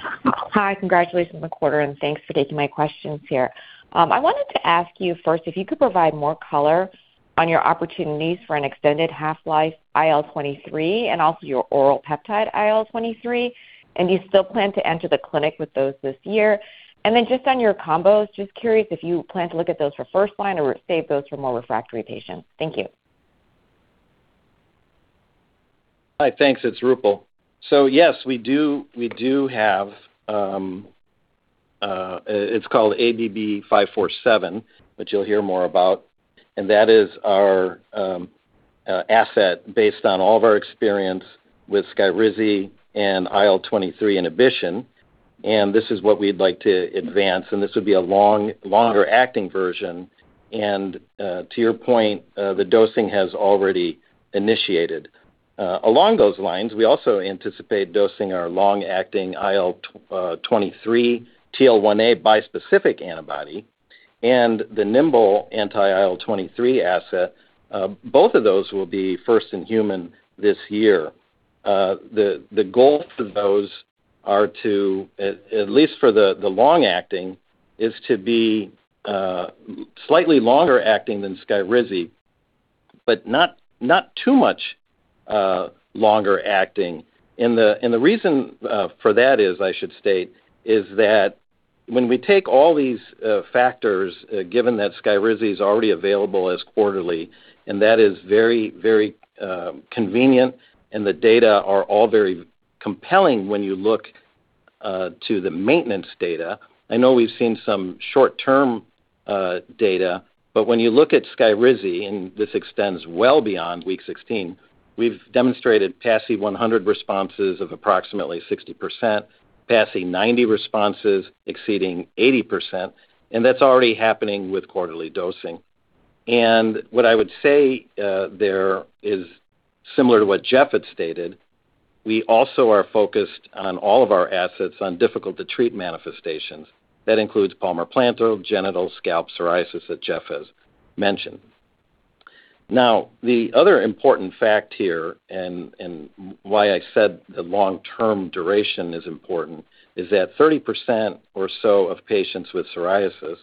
Hi. Congratulations on the quarter, and thanks for taking my questions here. I wanted to ask you first if you could provide more color on your opportunities for an extended half-life IL-23 and also your oral peptide IL-23, and do you still plan to enter the clinic with those this year? Just on your combos, just curious if you plan to look at those for first line or save those for more refractory patients. Thank you. Hi. Thanks. It's Roopal. Yes, we do have ABBV-547, which you'll hear more about, and that is our asset based on all of our experience with SKYRIZI and IL-23 inhibition, and this is what we'd like to advance, and this would be a longer acting version. To your point, the dosing has already initiated. Along those lines, we also anticipate dosing our long-acting IL-23 TL1A bispecific antibody and the Nimble anti-IL-23 asset. Both of those will be first in human this year. The goals for those are to, at least for the long-acting, is to be slightly longer acting than SKYRIZI, but not too much longer acting. The reason for that is, I should state, is that when we take all these factors, given that SKYRIZI is already available as quarterly, and that is very, very convenient, and the data are all very compelling when you look to the maintenance data. I know we've seen some short-term data, but when you look at SKYRIZI, and this extends well beyond week 16, we've demonstrated PASI 100 responses of approximately 60%, PASI 90 responses exceeding 80%, and that's already happening with quarterly dosing. What I would say there is similar to what Jeff had stated, we also are focused on all of our assets on difficult-to-treat manifestations. That includes palmar-plantar, genital, scalp psoriasis that Jeff has mentioned. The other important fact here and why I said the long-term duration is important is that 30% or so of patients with psoriasis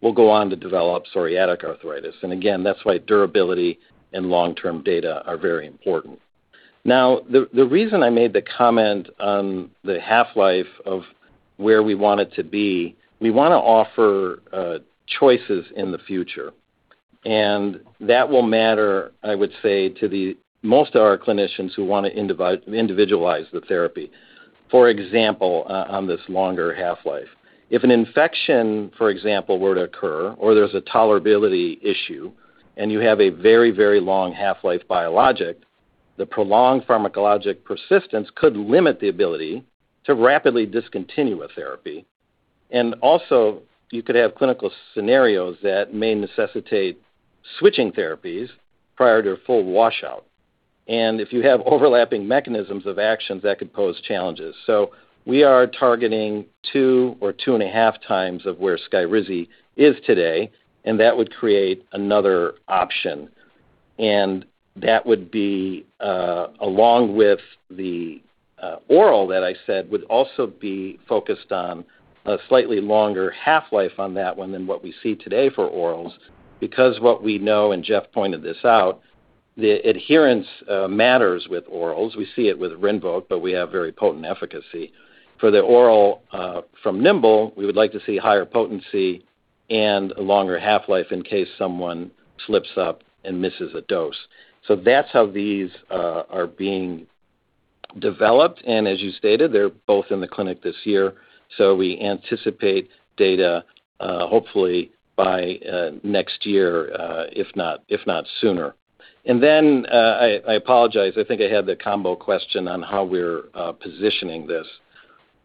will go on to develop psoriatic arthritis. Again, that's why durability and long-term data are very important. The reason I made the comment on the half-life of where we want it to be, we wanna offer choices in the future, and that will matter, I would say, to the most of our clinicians who wanna individualize the therapy. For example, on this longer half-life, if an infection, for example, were to occur or there's a tolerability issue and you have a very long half-life biologic, the prolonged pharmacologic persistence could limit the ability to rapidly discontinue a therapy. Also, you could have clinical scenarios that may necessitate switching therapies prior to a full washout. If you have overlapping mechanisms of actions, that could pose challenges. We are targeting two or 2.5 times of where SKYRIZI is today, and that would create another option. That would be, along with the oral that I said would also be focused on a slightly longer half-life on that one than what we see today for orals. What we know, and Jeff pointed this out, the adherence matters with orals. We see it with RINVOQ, but we have very potent efficacy. For the oral, from Nimble, we would like to see higher potency and a longer half-life in case someone slips up and misses a dose. That's how these are being developed. As you stated, they're both in the clinic this year, so we anticipate data, hopefully by next year, if not sooner. I apologize. I think I had the combo question on how we're positioning this.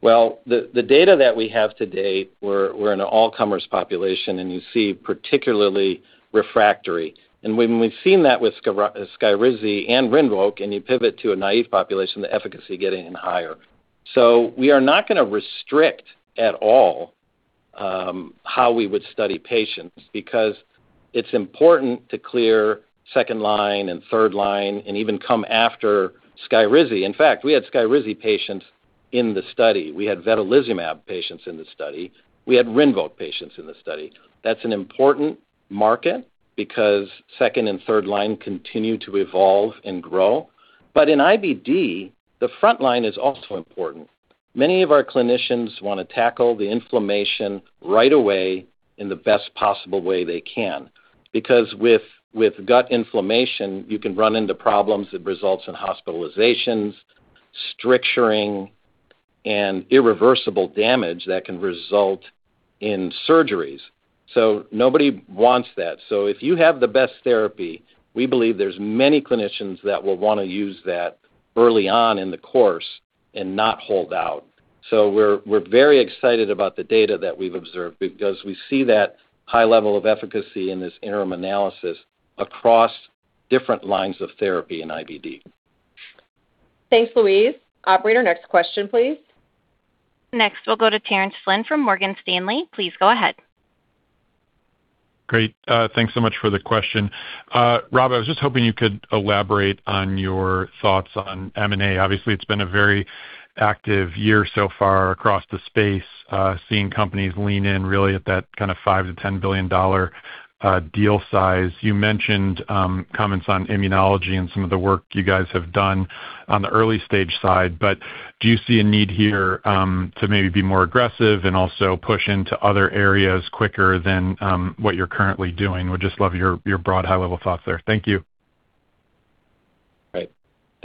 The data that we have to date, we're an all-comers population, and you see particularly refractory. When we've seen that with SKYRIZI and RINVOQ, and you pivot to a naive population, the efficacy getting even higher. We are not going to restrict at all how we would study patients because it's important to clear second-line and third-line and even come after SKYRIZI. In fact, we had SKYRIZI patients in the study. We had vedolizumab patients in the study. We had RINVOQ patients in the study. That's an important market because second and third line continue to evolve and grow. In IBD, the front line is also important. Many of our clinicians wanna tackle the inflammation right away in the best possible way they can. With gut inflammation, you can run into problems that results in hospitalizations, stricturing, and irreversible damage that can result in surgeries. Nobody wants that. If you have the best therapy, we believe there's many clinicians that will wanna use that early on in the course and not hold out. We're very excited about the data that we've observed because we see that high level of efficacy in this interim analysis across different lines of therapy in IBD. Thanks, Louise. Operator, next question, please. Next, we'll go to Terence Flynn from Morgan Stanley. Please go ahead. Great. Thanks so much for the question. Rob, I was just hoping you could elaborate on your thoughts on M&A. Obviously, it's been a very active year so far across the space, seeing companies lean in really at that kind of $5 billion-$10 billion deal size. You mentioned comments on immunology and some of the work you guys have done on the early stage side. Do you see a need here to maybe be more aggressive and also push into other areas quicker than what you're currently doing? Would just love your broad high-level thoughts there. Thank you.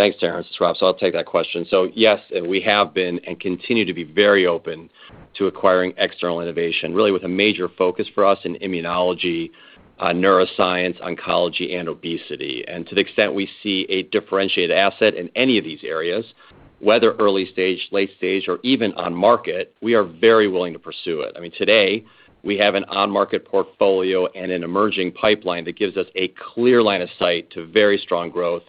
Right. Thanks, Terence. It's Rob. I'll take that question. Yes, and we have been and continue to be very open to acquiring external innovation, really with a major focus for us in immunology, neuroscience, oncology, and obesity. To the extent we see a differentiated asset in any of these areas, whether early stage, late stage, or even on market, we are very willing to pursue it. I mean, today, we have an on-market portfolio and an emerging pipeline that gives us a clear line of sight to very strong growth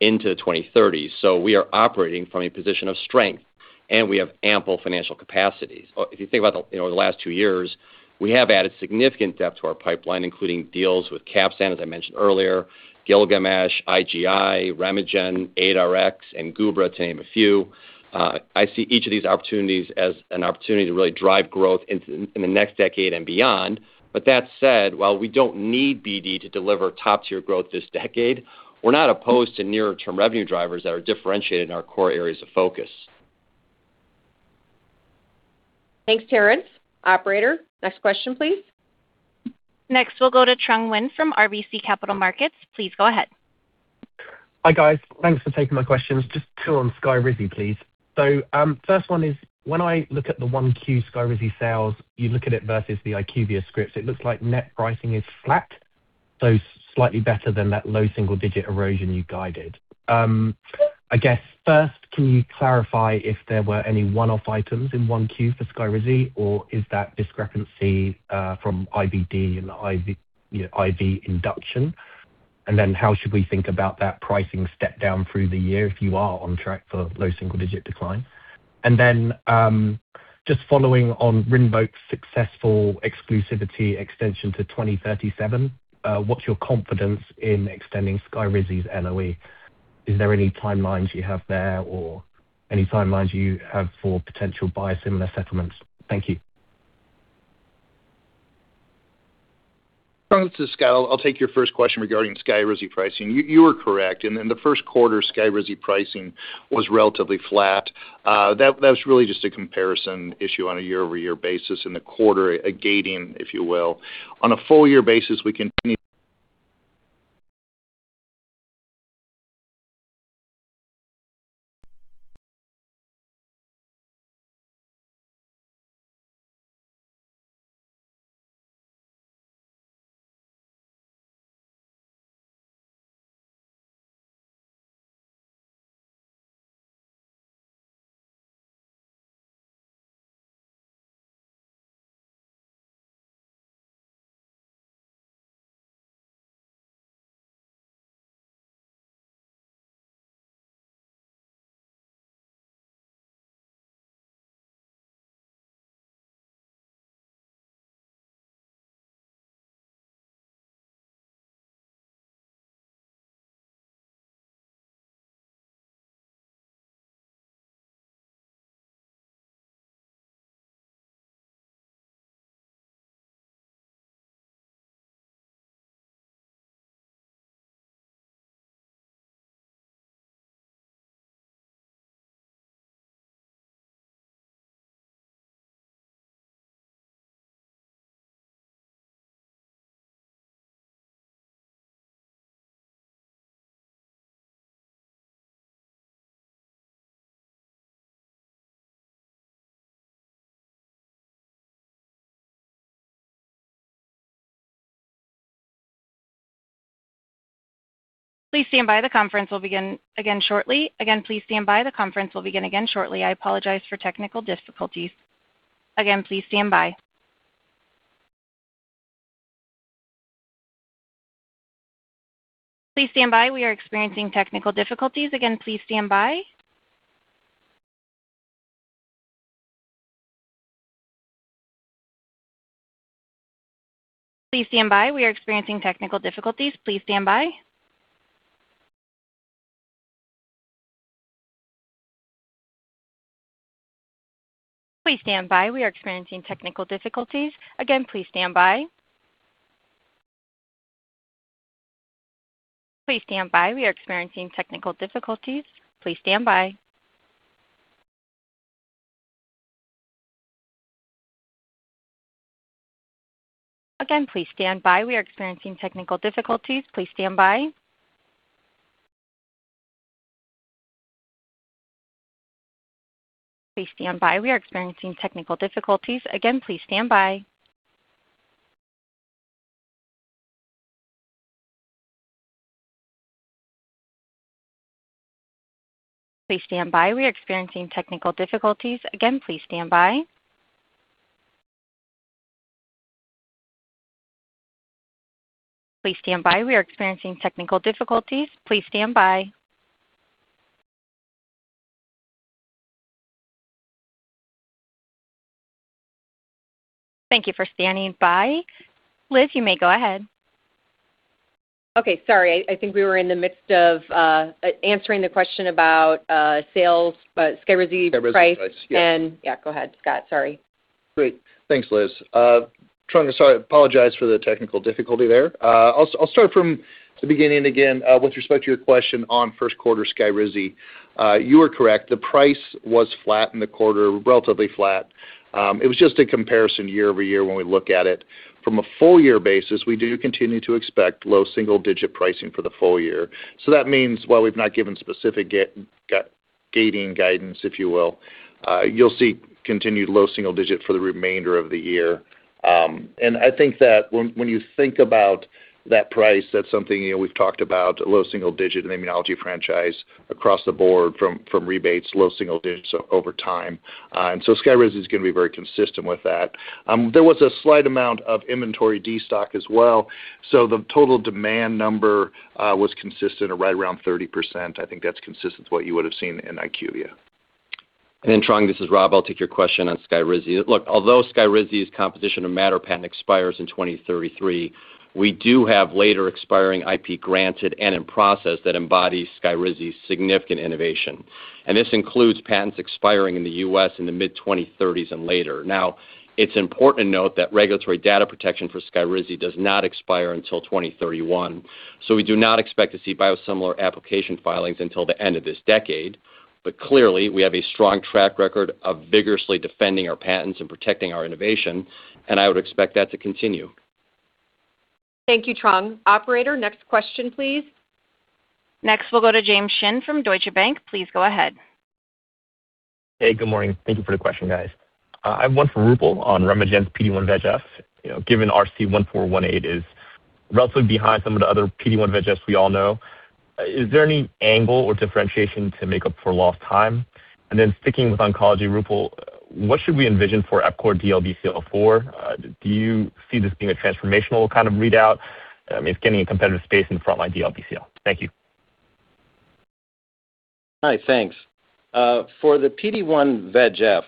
into 2030s. We are operating from a position of strength, and we have ample financial capacities. If you think about, you know, the last two years, we have added significant depth to our pipeline, including deals with Capstan, as I mentioned earlier, Gilgamesh, IGI, RemeGen, AdRx, and Gubra, to name a few. I see each of these opportunities as an opportunity to really drive growth in the next decade and beyond. That said, while we don't need BD to deliver top-tier growth this decade, we're not opposed to near-term revenue drivers that are differentiated in our core areas of focus. Thanks, Terence. Operator, next question, please. Next, we'll go to Trung Huynh from RBC Capital Markets. Please go ahead. Hi, guys. Thanks for taking my questions. Just two on SKYRIZI, please. When I look at the 1Q SKYRIZI sales, you look at it versus the IQVIA scripts, it looks like net pricing is flat, slightly better than that low single-digit erosion you guided. I guess first, can you clarify if there were any one-off items in 1Q for SKYRIZI, or is that discrepancy from IBD and IV, you know, IV induction? How should we think about that pricing step down through the year if you are on track for low single-digit decline? Just following on RINVOQ's successful exclusivity extension to 2037, what's your confidence in extending SKYRIZI's LOE? Is there any timelines you have there or any timelines you have for potential biosimilar settlements? Thank you. Trung, this is Scott. I'll take your first question regarding SKYRIZI pricing. You are correct. In the first quarter, SKYRIZI pricing was relatively flat. That was really just a comparison issue on a year-over-year basis in the quarter, a gating, if you will. On a full-year basis, we continue- Thank you for standing by. Liz, you may go ahead. Okay. Sorry, I think we were in the midst of answering the question about sales. SKYRIZI price, yes. Yeah, go ahead, Scott. Sorry. Great. Thanks, Liz. Trung, I apologize for the technical difficulty there. I'll start from the beginning again with respect to your question on first quarter SKYRIZI. You are correct. The price was flat in the quarter, relatively flat. It was just a comparison year-over-year when we looked at it. From a full-year basis, we do continue to expect low single digit pricing for the full year. That means while we've not given specific gaining guidance, if you will, you'll see continued low single digits for the remainder of the year. I think that when you think about that price, that's something, you know, we've talked about low single digit immunology franchise across the board from rebates, low single digits over time. SKYRIZI is gonna be very consistent with that. There was a slight amount of inventory destock as well. The total demand number was consistent right around 30%. I think that's consistent to what you would have seen in IQVIA. Trung, this is Rob. I'll take your question on SKYRIZI. Look, although SKYRIZI's competition matter patent expires in 2033, we do have later expiring IP granted and in process that embodies SKYRIZI significant innovation. This includes patents expiring in the U.S. in the mid-2030s and later. Now, it's important to note that regulatory data protection for SKYRIZI does not expire until 2031. We do not expect to see biosimilar application filings until the end of this decade. Clearly, we have a strong track record of vigorously defending our patents and protecting our innovation, and I would expect that to continue. Thank you, Trung. Operator, next question, please. Next, we'll go to James Shin from Deutsche Bank. Please go ahead. Hey, good morning. Thank you for the question, guys. I have one for Roopal on RemeGen's PD-1/VEGF. Given RC148 is roughly behind some of the other PD-1/VEGFs we all know. Is there any angle or differentiation to make up for lost time? Then sticking with oncology, Roopal, what should we envision for EPCORE-DLBCL-4? Do you see this being a transformational kind of readout? I mean getting a competitive space in front line DLBCL. Thank you. Hi, thanks. For the PD-1/VEGF,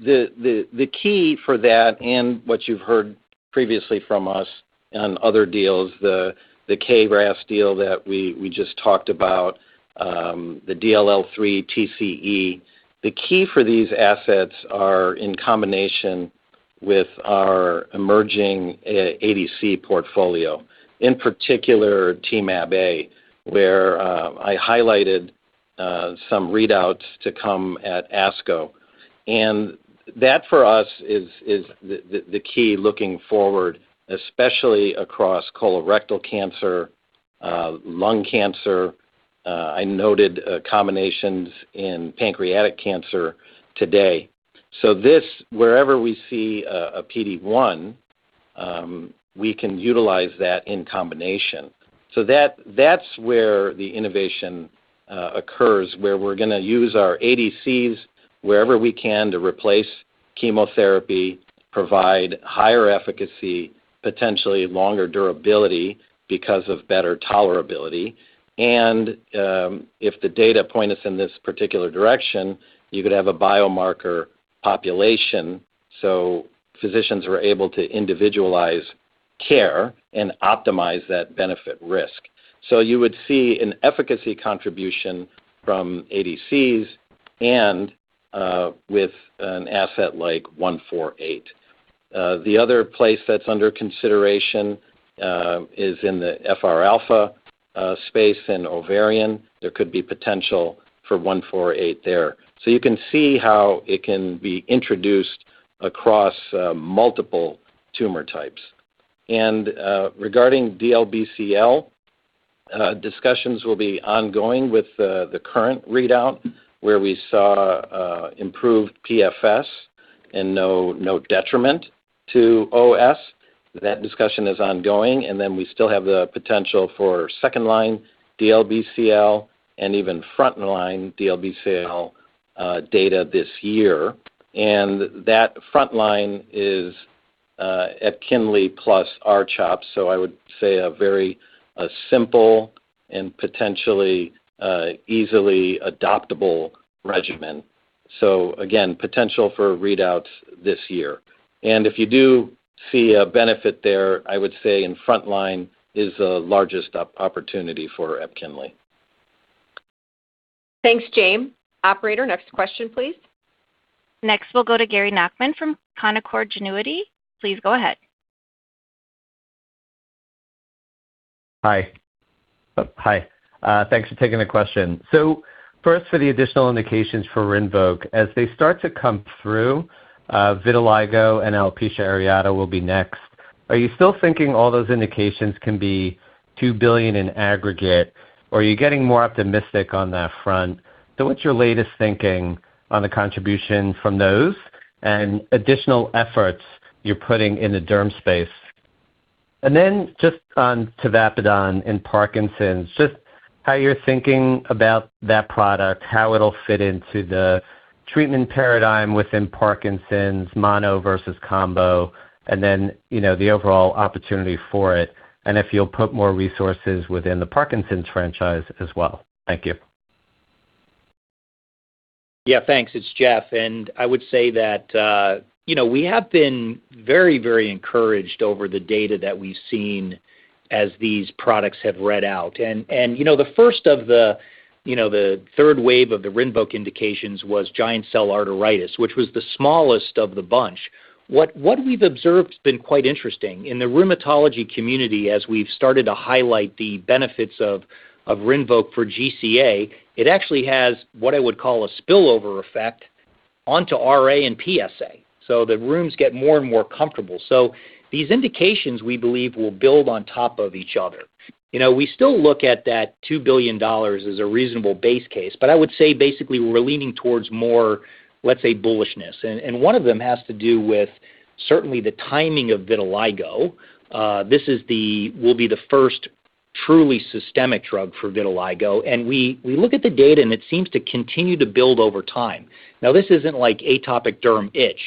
the key for that and what you've heard previously from us on other deals, the KRAS deal that we just talked about, the DLL3 TCE. The key for these assets are in combination with our emerging ADC portfolio, in particular Temab-A where I highlighted some readouts to come at ASCO. That for us is the key looking forward, especially across colorectal cancer, lung cancer. I noted combinations in pancreatic cancer today. This wherever we see a PD-1, we can utilize that in combination. That's where the innovation occurs, where we're going to use our ADCs wherever we can to replace chemotherapy provide higher efficacy potentially longer durability because of better tolerability. If the data point us in this particular direction, you could have a biomarker population, so physicians are able to individualize care and optimize that benefit risk. You would see an efficacy contribution from ADCs and with an asset like RC148. The other place that's under consideration is in the FR-alpha space in ovarian. There could be potential for RC148 there. You can see how it can be introduced across multiple tumor types. Regarding DLBCL discussions will be ongoing with the current readout where we saw improved PFS. No, no detriment to OS. That discussion is ongoing, and then we still have the potential for second line DLBCL and even front line DLBCL, data this year. That front line is EPKINLY plus R-CHOP. I would say a very simple and potentially, easily adoptable regimen. Again, potential for readouts this year. If you do see a benefit there, I would say in front line is the largest opportunity for EPKINLY. Thanks, James. Operator, next question, please. Next, we'll go to Gary Nachman from Canaccord Genuity. Please go ahead. Hi. Hi. Thanks for taking the question. First for the additional indications for RINVOQ, as they start to come through, vitiligo and alopecia areata will be next. Are you still thinking all those indications can be $2 billion in aggregate, or are you getting more optimistic on that front? What's your latest thinking on the contribution from those and additional efforts you're putting in the derm space? Just on tavapadon in Parkinson's, just how you're thinking about that product, how it'll fit into the treatment paradigm within Parkinson's mono versus combo, you know, the overall opportunity for it, and if you'll put more resources within the Parkinson's franchise as well. Thank you. Yeah, thanks. It's Jeff. I would say that, you know, we have been very, very encouraged over the data that we've seen as these products have read out. You know, the first of the, you know, the third wave of the RINVOQ indications was giant cell arteritis, which was the smallest of the bunch. What we've observed has been quite interesting. In the rheumatology community, as we've started to highlight the benefits of RINVOQ for GCA, it actually has what I would call a spillover effect onto RA and PSA. The rheums get more and more comfortable. These indications, we believe, will build on top of each other. You know, we still look at that $2 billion as a reasonable base case, but I would say basically we're leaning towards more, let's say, bullishness. One of them has to do with certainly the timing of vitiligo. This will be the first truly systemic drug for vitiligo. We look at the data, and it seems to continue to build over time. Now, this isn't like atopic derm itch,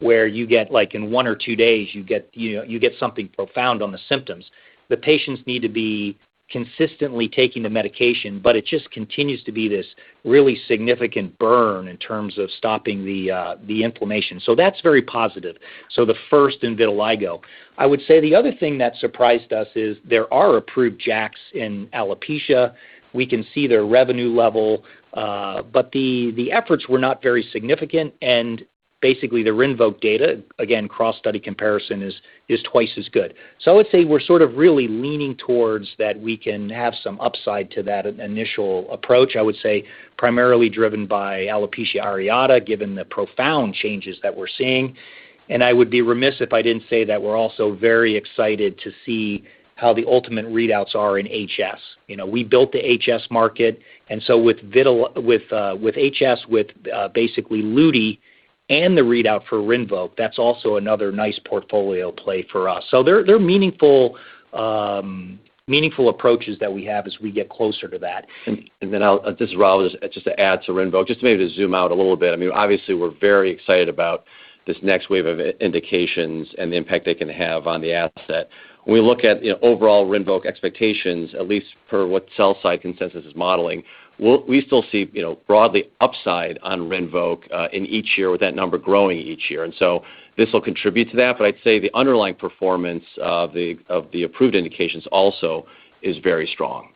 where you get like in one or two days, you get, you know, you get something profound on the symptoms. The patients need to be consistently taking the medication, but it just continues to be this really significant burn in terms of stopping the inflammation. That's very positive. The first in vitiligo. I would say the other thing that surprised us is there are approved JAKs in alopecia. We can see their revenue level, but the efforts were not very significant. Basically, the RINVOQ data, again, cross-study comparison is twice as good. I would say we're sort of really leaning towards that we can have some upside to that initial approach, I would say primarily driven by alopecia areata, given the profound changes that we're seeing. I would be remiss if I didn't say that we're also very excited to see how the ultimate readouts are in HS. You know, we built the HS market, and with HS, with basically luti and the readout for RINVOQ, that's also another nice portfolio play for us. They're meaningful approaches that we have as we get closer to that. This is Rob, just to add to RINVOQ, just maybe to zoom out a little bit. I mean, obviously, we're very excited about this next wave of indications and the impact they can have on the asset. When we look at, you know, overall RINVOQ expectations, at least for what sell-side consensus is modeling, we still see, you know, broadly upside on RINVOQ in each year with that number growing each year. This will contribute to that, but I'd say the underlying performance of the approved indications also is very strong.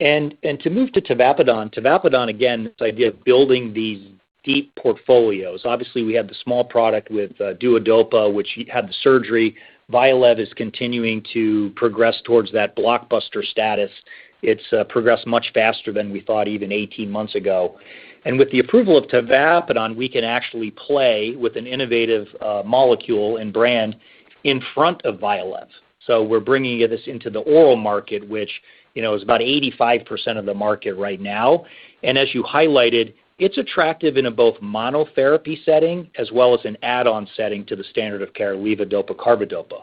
To move to tavapadon. Tavapadon, again, this idea of building these deep portfolios. Obviously, we have the small product with DUODOPA, which had the surgery. VYALEV is continuing to progress towards that blockbuster status. It's progressed much faster than we thought even 18 months ago. With the approval of tavapadon, we can actually play with an innovative molecule and brand in front of VYALEV. We're bringing this into the oral market, which, you know, is about 85% of the market right now. As you highlighted, it's attractive in a both monotherapy setting as well as an add-on setting to the standard of care levodopa-carbidopa.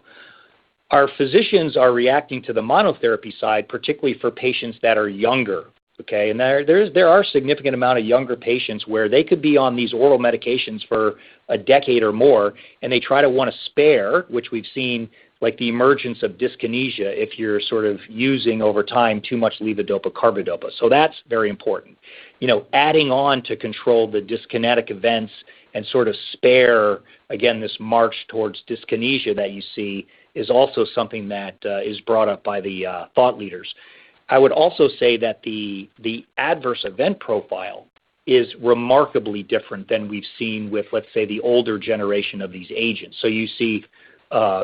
Our physicians are reacting to the monotherapy side, particularly for patients that are younger, okay? There, there are significant amount of younger patients where they could be on these oral medications for a decade or more, and they try to wanna spare, which we've seen, like the emergence of dyskinesia, if you're sort of using over time too much levodopa-carbidopa. That's very important. You know, adding on to control the dyskinetic events and sort of spare, again, this march towards dyskinesia that you see is also something that is brought up by the thought leaders. I would also say that the adverse event profile is remarkably different than we've seen with, let's say, the older generation of these agents. You see,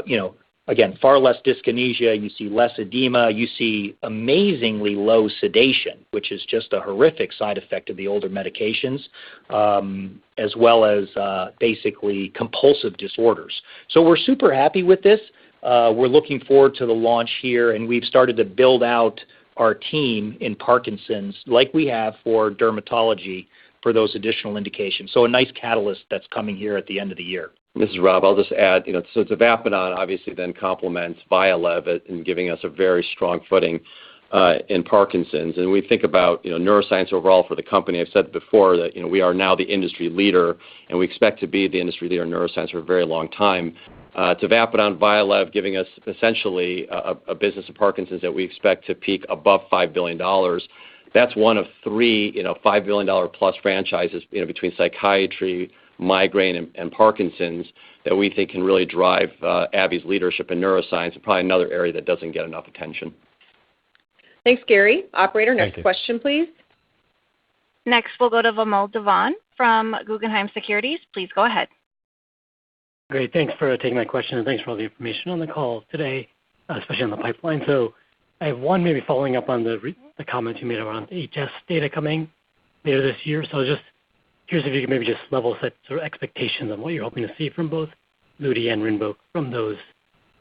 you know, again, far less dyskinesia, you see less edema, you see amazingly low sedation, which is just a horrific side effect of the older medications, as well as basically compulsive disorders. We're super happy with this. We're looking forward to the launch here, and we've started to build out our team in parkinson's like we have for dermatology for those additional indications. A nice catalyst that's coming here at the end of the year. This is Rob. I'll just add, you know, tavapadon obviously then complements VYALEV in giving us a very strong footing. In Parkinson's, and we think about, you know, neuroscience overall for the company. I've said before that, you know, we are now the industry leader, and we expect to be the industry leader in neuroscience for a very long time. To tavapadon-VYALEV giving us essentially a business of Parkinson's that we expect to peak above $5 billion. That's one of three, you know, $5 billion-plus franchises, you know, between psychiatry, migraine, and Parkinson's that we think can really drive AbbVie's leadership in neuroscience, and probably another area that doesn't get enough attention. Thanks, Gary. Thank you. Operator, next question, please. We'll go to Vamil Divan from Guggenheim Securities. Please go ahead. Great. Thanks for taking my question, thanks for all the information on the call today, especially on the pipeline. I have one maybe following up on the comment you made around HS data coming later this year. Just curious if you could maybe just level set sort of expectations on what you're hoping to see from both luti and RINVOQ from those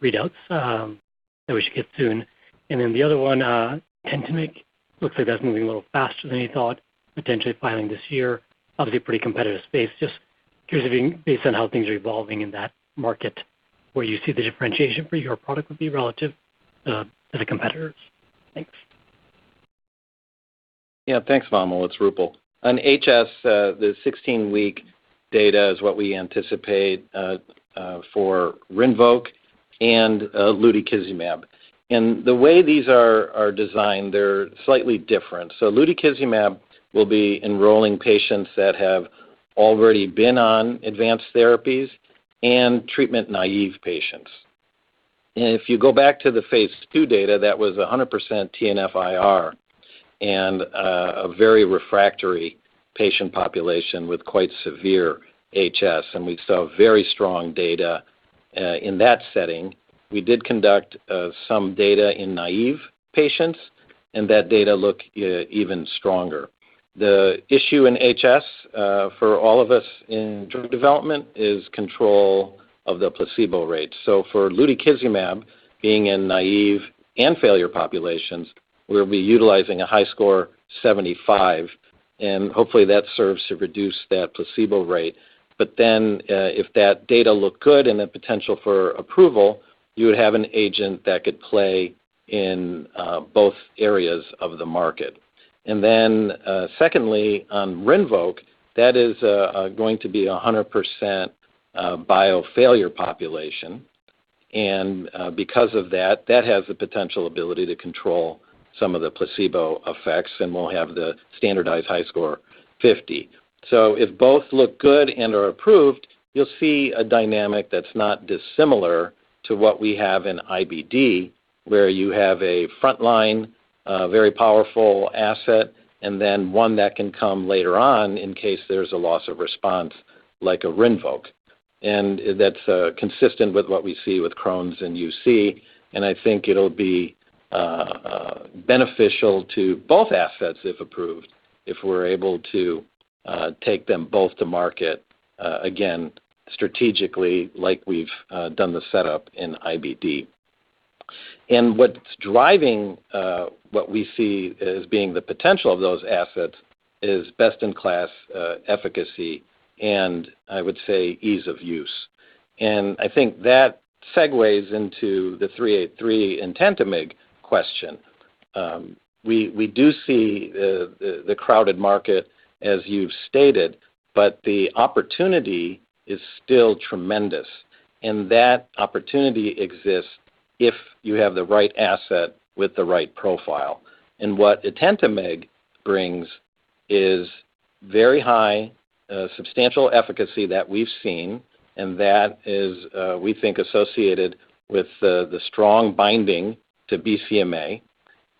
readouts that we should get soon. The other one, Etentamig, looks like that's moving a little faster than you thought, potentially filing this year. Obviously a pretty competitive space. Just curious based on how things are evolving in that market, where you see the differentiation for your product would be relative to the competitors. Thanks. Yeah. Thanks, Vamil. It's Roopal. On HS, the 16-week data is what we anticipate for RINVOQ and lutikizumab. The way these are designed, they're slightly different. lutikizumab will be enrolling patients that have already been on advanced therapies and treatment-naive patients. If you go back to the phase II data, that was 100% TNFIR and a very refractory patient population with quite severe HS, and we saw very strong data in that setting. We did conduct some data in naive patients, and that data looked even stronger. The issue in HS for all of us in drug development is control of the placebo rate. For lutikizumab being in naive and failure populations, we'll be utilizing a HiSCR75, and hopefully that serves to reduce that placebo rate. If that data look good and the potential for approval, you would have an agent that could play in both areas of the market. Secondly, on RINVOQ, that is going to be a 100% biofailure population. Because of that has the potential ability to control some of the placebo effects, and we'll have the standardized HiSCR50. If both look good and are approved, you'll see a dynamic that's not dissimilar to what we have in IBD, where you have a frontline, very powerful asset and then one that can come later on in case there's a loss of response like a RINVOQ. That's consistent with what we see with Crohn's and UC, I think it'll be beneficial to both assets if approved, if we're able to take them both to market again strategically like we've done the setup in IBD. What's driving what we see as being the potential of those assets is best-in-class efficacy and, I would say, ease of use. I think that segues into the ABBV-383 and Etentamig question. We do see the crowded market as you've stated, but the opportunity is still tremendous. That opportunity exists if you have the right asset with the right profile. What Etentamig brings is very high, substantial efficacy that we've seen, and that is we think associated with the strong binding to BCMA.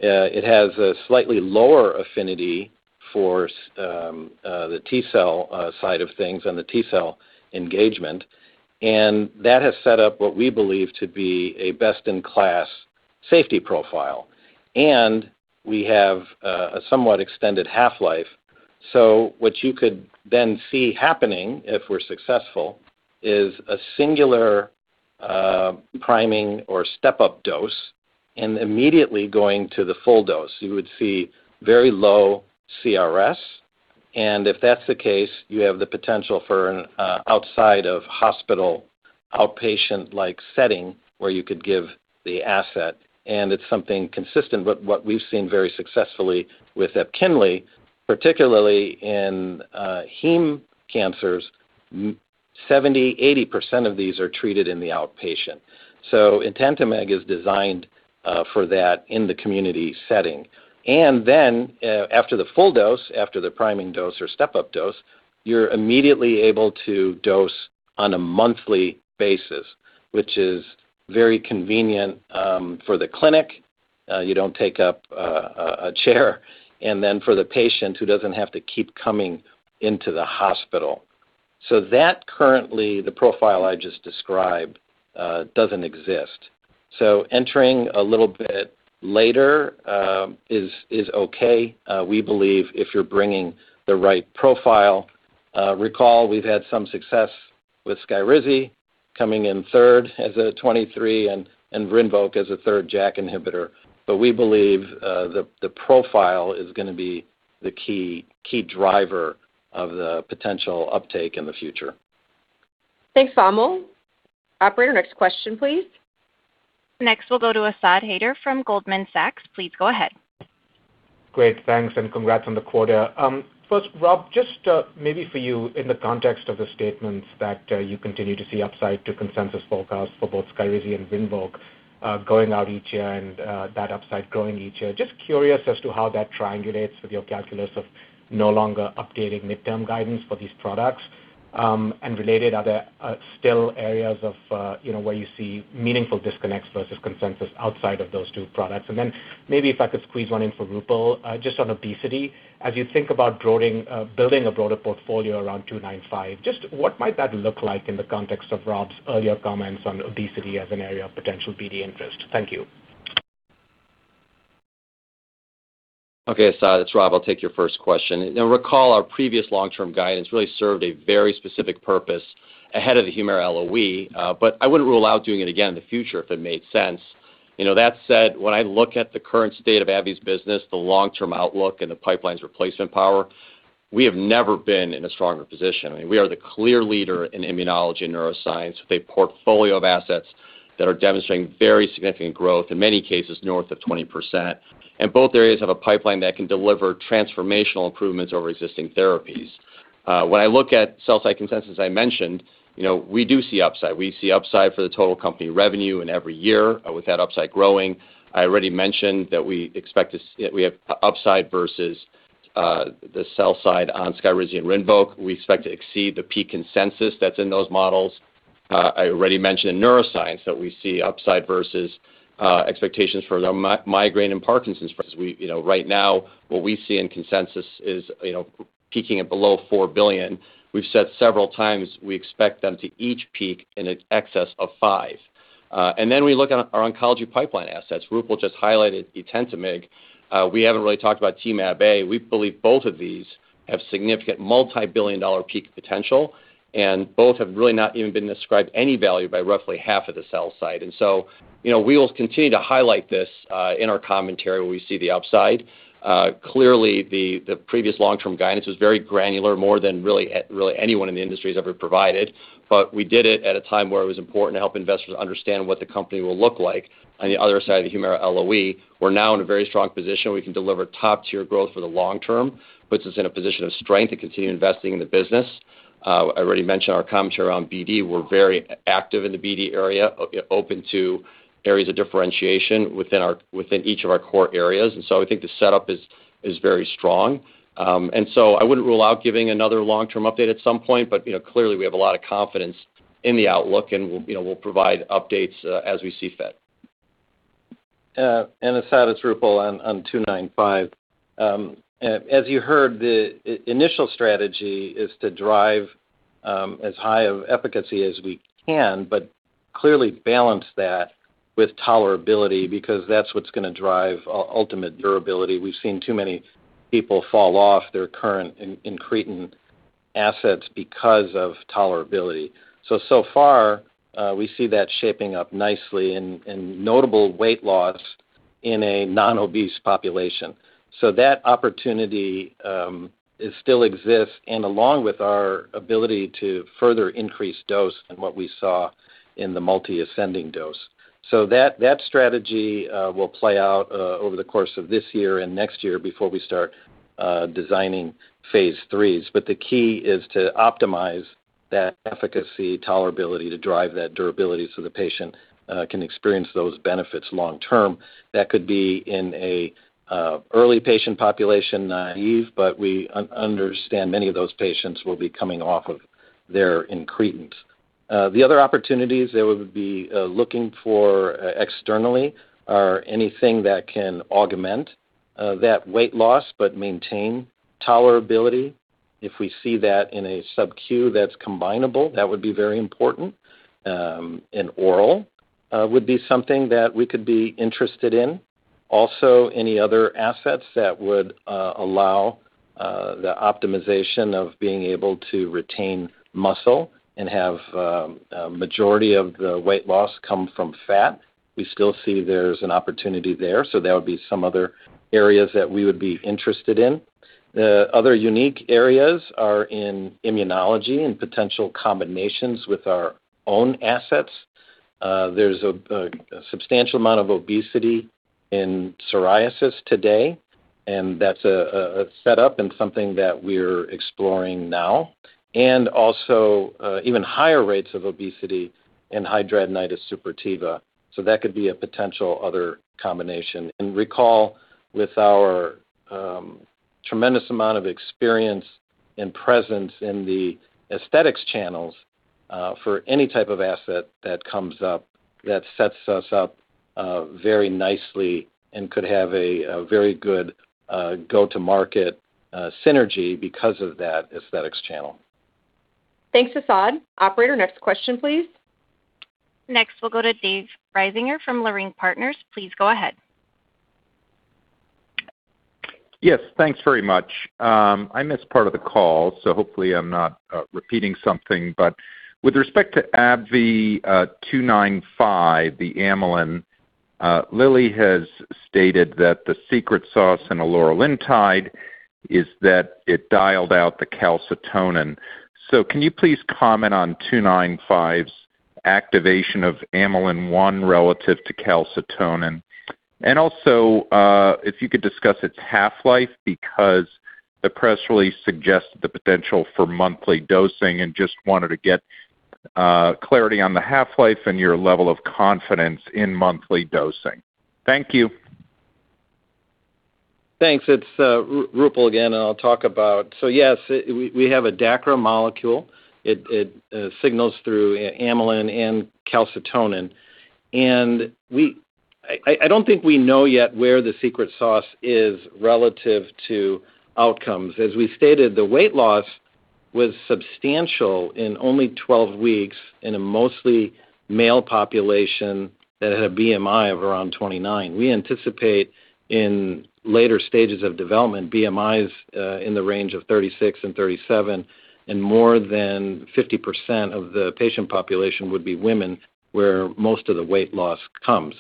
It has a slightly lower affinity for the T-cell side of things and the T-cell engagement. That has set up what we believe to be a best-in-class safety profile. We have a somewhat extended half-life. What you could then see happening, if we're successful, is a singular priming or step-up dose and immediately going to the full dose. You would see very low CRS. If that's the case, you have the potential for an outside of hospital outpatient-like setting where you could give the asset. It's something consistent with what we've seen very successfully with EPKINLY, particularly in heme cancers. 70%, 80% of these are treated in the outpatient. Etentamig is designed for that in the community setting. After the full dose, after the priming dose or step-up dose, you're immediately able to dose on a monthly basis, which is very convenient for the clinic. You don't take up a chair for the patient who doesn't have to keep coming into the hospital. That currently, the profile I just described doesn't exist. Entering a little bit later is okay, we believe if you're bringing the right profile. Recall we've had some success with SKYRIZI coming in third as a IL-23 and RINVOQ as a third JAK inhibitor. We believe the profile is gonna be the key driver of the potential uptake in the future. Thanks, Vamil. Operator, next question, please. Next, we'll go to Asad Haider from Goldman Sachs. Please go ahead. Great. Thanks, and congrats on the quarter. First, Rob, just maybe for you in the context of the statements that you continue to see upside to consensus forecast for both SKYRIZI and RINVOQ going out each year and that upside growing each year. Just curious as to how that triangulates with your calculus of no longer updating midterm guidance for these products, and related other still areas of, you know, where you see meaningful disconnects versus consensus outside of those two products. Then maybe if I could squeeze one in for Roopal, just on obesity. As you think about building a broader portfolio around ABBV-295, just what might that look like in the context of Rob's earlier comments on obesity as an area of potential BD interest? Thank you. Okay, Asad, it's Rob. I'll take your first question. You know, recall our previous long-term guidance really served a very specific purpose ahead of the HUMIRA LOE. I wouldn't rule out doing it again in the future if it made sense. You know, that said, when I look at the current state of AbbVie's business, the long-term outlook, and the pipeline's replacement power, we have never been in a stronger position. I mean, we are the clear leader in immunology and neuroscience with a portfolio of assets that are demonstrating very significant growth, in many cases north of 20%. Both areas have a pipeline that can deliver transformational improvements over existing therapies. When I look at sell side consensus, I mentioned, you know, we do see upside. We see upside for the total company revenue in every year with that upside growing. I already mentioned that we expect we have upside versus the sell side on SKYRIZI and RINVOQ. We expect to exceed the peak consensus that's in those models. I already mentioned in neuroscience that we see upside versus expectations for the migraine and Parkinson's. For instance, we, you know, right now what we see in consensus is, you know, peaking at below $4 billion. We've said several times we expect them to each peak in an excess of $5 billion. Then we look at our oncology pipeline assets. Roopal just highlighted Etentamig. We haven't really talked about Temab-A. We believe both of these have significant multibillion-dollar peak potential, both have really not even been ascribed any value by roughly half of the sell side. You know, we will continue to highlight this in our commentary where we see the upside. Clearly the previous long-term guidance was very granular, more than really anyone in the industry has ever provided. We did it at a time where it was important to help investors understand what the company will look like on the other side of the HUMIRA LOE. We're now in a very strong position where we can deliver top-tier growth for the long term, puts us in a position of strength to continue investing in the business. I already mentioned our commentary around BD. We're very active in the BD area, open to areas of differentiation within each of our core areas. I think the setup is very strong. I wouldn't rule out giving another long-term update at some point, but, you know, clearly we have a lot of confidence in the outlook, and we'll, you know, we'll provide updates, as we see fit. Asad, it's Roopal on ABBV-295. As you heard, the initial strategy is to drive as high of efficacy as we can, but clearly balance that with tolerability because that's what's gonna drive ultimate durability. We've seen too many people fall off their current incretin assets because of tolerability. So far, we see that shaping up nicely and notable weight loss in a non-obese population. That opportunity, it still exists and along with our ability to further increase dose than what we saw in the multi-ascending dose. That strategy will play out over the course of this year and next year before we start designing phase III. The key is to optimize that efficacy tolerability to drive that durability so the patient can experience those benefits long term. That could be in an early patient population naive, we understand many of those patients will be coming off of their incretins. The other opportunities that we'll be looking for externally are anything that can augment that weight loss but maintain tolerability. If we see that in a sub-Q that's combinable, that would be very important. Oral would be something that we could be interested in. Also, any other assets that would allow the optimization of being able to retain muscle and have a majority of the weight loss come from fat. We still see there's an opportunity there, that would be some other areas that we would be interested in. The other unique areas are in immunology and potential combinations with our own assets. There's a substantial amount of obesity in psoriasis today, and that's a setup and something that we're exploring now. Also, even higher rates of obesity in hidradenitis suppurativa. That could be a potential other combination. Recall with our tremendous amount of experience and presence in the aesthetics channels, for any type of asset that comes up, that sets us up very nicely and could have a very good go-to-market synergy because of that aesthetics channel. Thanks, Asad. Operator, next question, please. Next, we'll go to Dave Risinger from Leerink Partners. Please go ahead. Yes, thanks very much. I missed part of the call, so hopefully I'm not repeating something. With respect to AbbVie ABBV-295, the amylin, Lilly has stated that the secret sauce in a loriglaptide. Is that it dialed out the calcitonin? Can you please comment on ABBV-295's activation of amylin-1 relative to calcitonin? Also, if you could discuss its half-life because the press release suggests the potential for monthly dosing and just wanted to get clarity on the half-life and your level of confidence in monthly dosing. Thank you. Thanks. It's Roopal again, and I'll talk about. Yes, it, we have a DACRA molecule. It signals through amylin and calcitonin. We don't think we know yet where the secret sauce is relative to outcomes. As we stated, the weight loss was substantial in only 12 weeks in a mostly male population that had a BMI of around 29. We anticipate in later stages of development, BMIs in the range of 36 and 37 and more than 50% of the patient population would be women where most of the weight loss comes.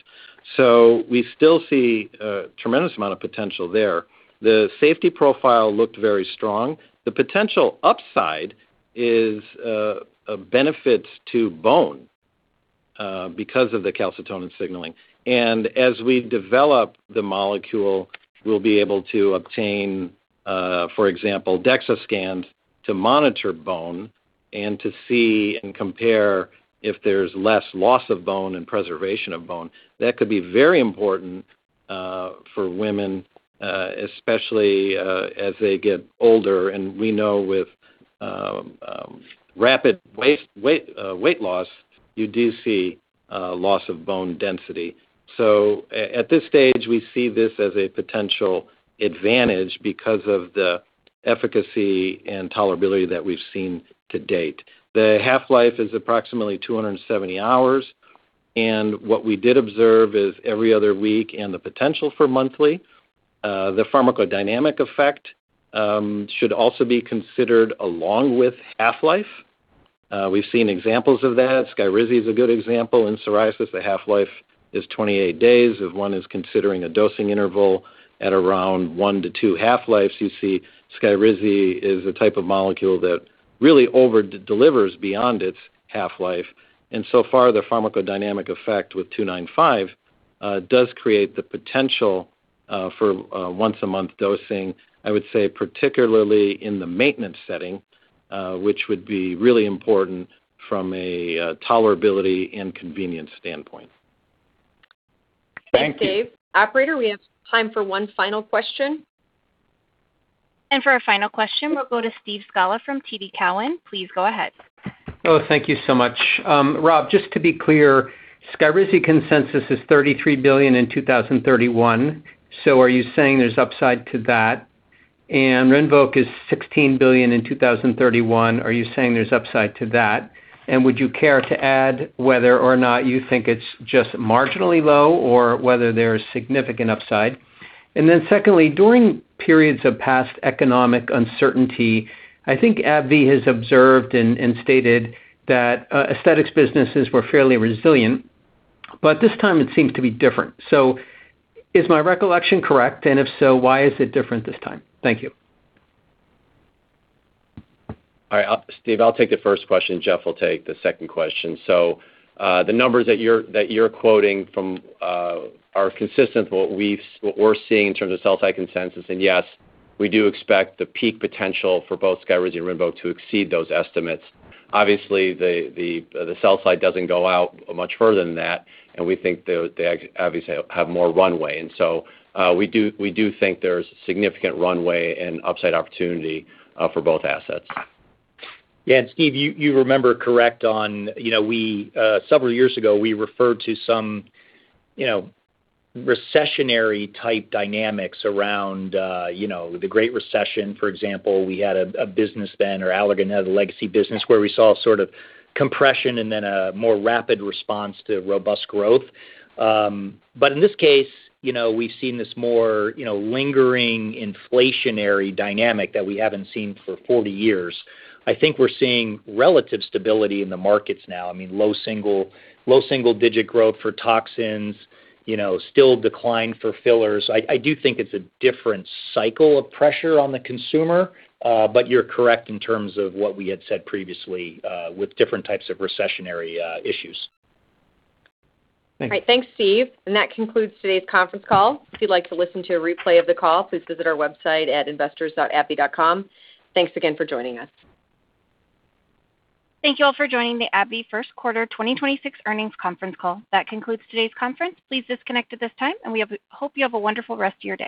We still see a tremendous amount of potential there. The safety profile looked very strong. The potential upside is a benefit to bone because of the calcitonin signaling. As we develop the molecule, we'll be able to obtain, for example, DEXA scans to monitor bone and to see and compare if there's less loss of bone and preservation of bone. That could be very important for women, especially, as they get older. We know with rapid weight loss, you do see loss of bone density. At this stage, we see this as a potential advantage because of the efficacy and tolerability that we've seen to date. The half-life is approximately 270 hours, and what we did observe is every other week and the potential for monthly. The pharmacodynamic effect should also be considered along with half-life. We've seen examples of that. SKYRIZI is a good example. In psoriasis, the half-life is 28 days. If one is considering a dosing interval at around 1-2 half-lives, you see SKYRIZI is a type of molecule that really over-delivers beyond its half-life. So far, the pharmacodynamic effect with ABBV-295 does create the potential for once-a-month dosing, I would say, particularly in the maintenance setting, which would be really important from a tolerability and convenience standpoint. Thanks, Dave. Operator, we have time for one final question. For our final question, we'll go to Steve Scala from TD Cowen. Please go ahead. Thank you so much. Rob, just to be clear, SKYRIZI consensus is $33 billion in 2031. Are you saying there's upside to that? RINVOQ is $16 billion in 2031. Are you saying there's upside to that? Would you care to add whether or not you think it's just marginally low or whether there's significant upside? Secondly, during periods of past economic uncertainty, I think AbbVie has observed and stated that aesthetics businesses were fairly resilient. This time it seems to be different. Is my recollection correct? If so, why is it different this time? Thank you. All right. Steve, I'll take the first question. Jeff will take the second question. The numbers that you're, that you're quoting from, are consistent with what we're seeing in terms of sell side consensus. Yes, we do expect the peak potential for both SKYRIZI and RINVOQ to exceed those estimates. Obviously, the sell side doesn't go out much further than that, and we think the, obviously have more runway. We do, we do think there's significant runway and upside opportunity for both assets. Yeah. Steve, you remember correct on, you know, we several years ago, we referred to some, you know, recessionary type dynamics around, you know, the Great Recession, for example. We had a business then, or Allergan had a legacy business where we saw sort of compression and then a more rapid response to robust growth. In this case, you know, we've seen this more, you know, lingering inflationary dynamic that we haven't seen for 40 years. I think we're seeing relative stability in the markets now. I mean, low single-digit growth for toxins, you know, still decline for fillers. I do think it's a different cycle of pressure on the consumer, you're correct in terms of what we had said previously, with different types of recessionary issues. Thanks. All right. Thanks, Steve. That concludes today's conference call. If you'd like to listen to a replay of the call, please visit our website at investors.abbvie.com. Thanks again for joining us. Thank you all for joining the AbbVie First Quarter 2026 Earnings Conference Call. That concludes today's conference. Please disconnect at this time, and we hope you have a wonderful rest of your day.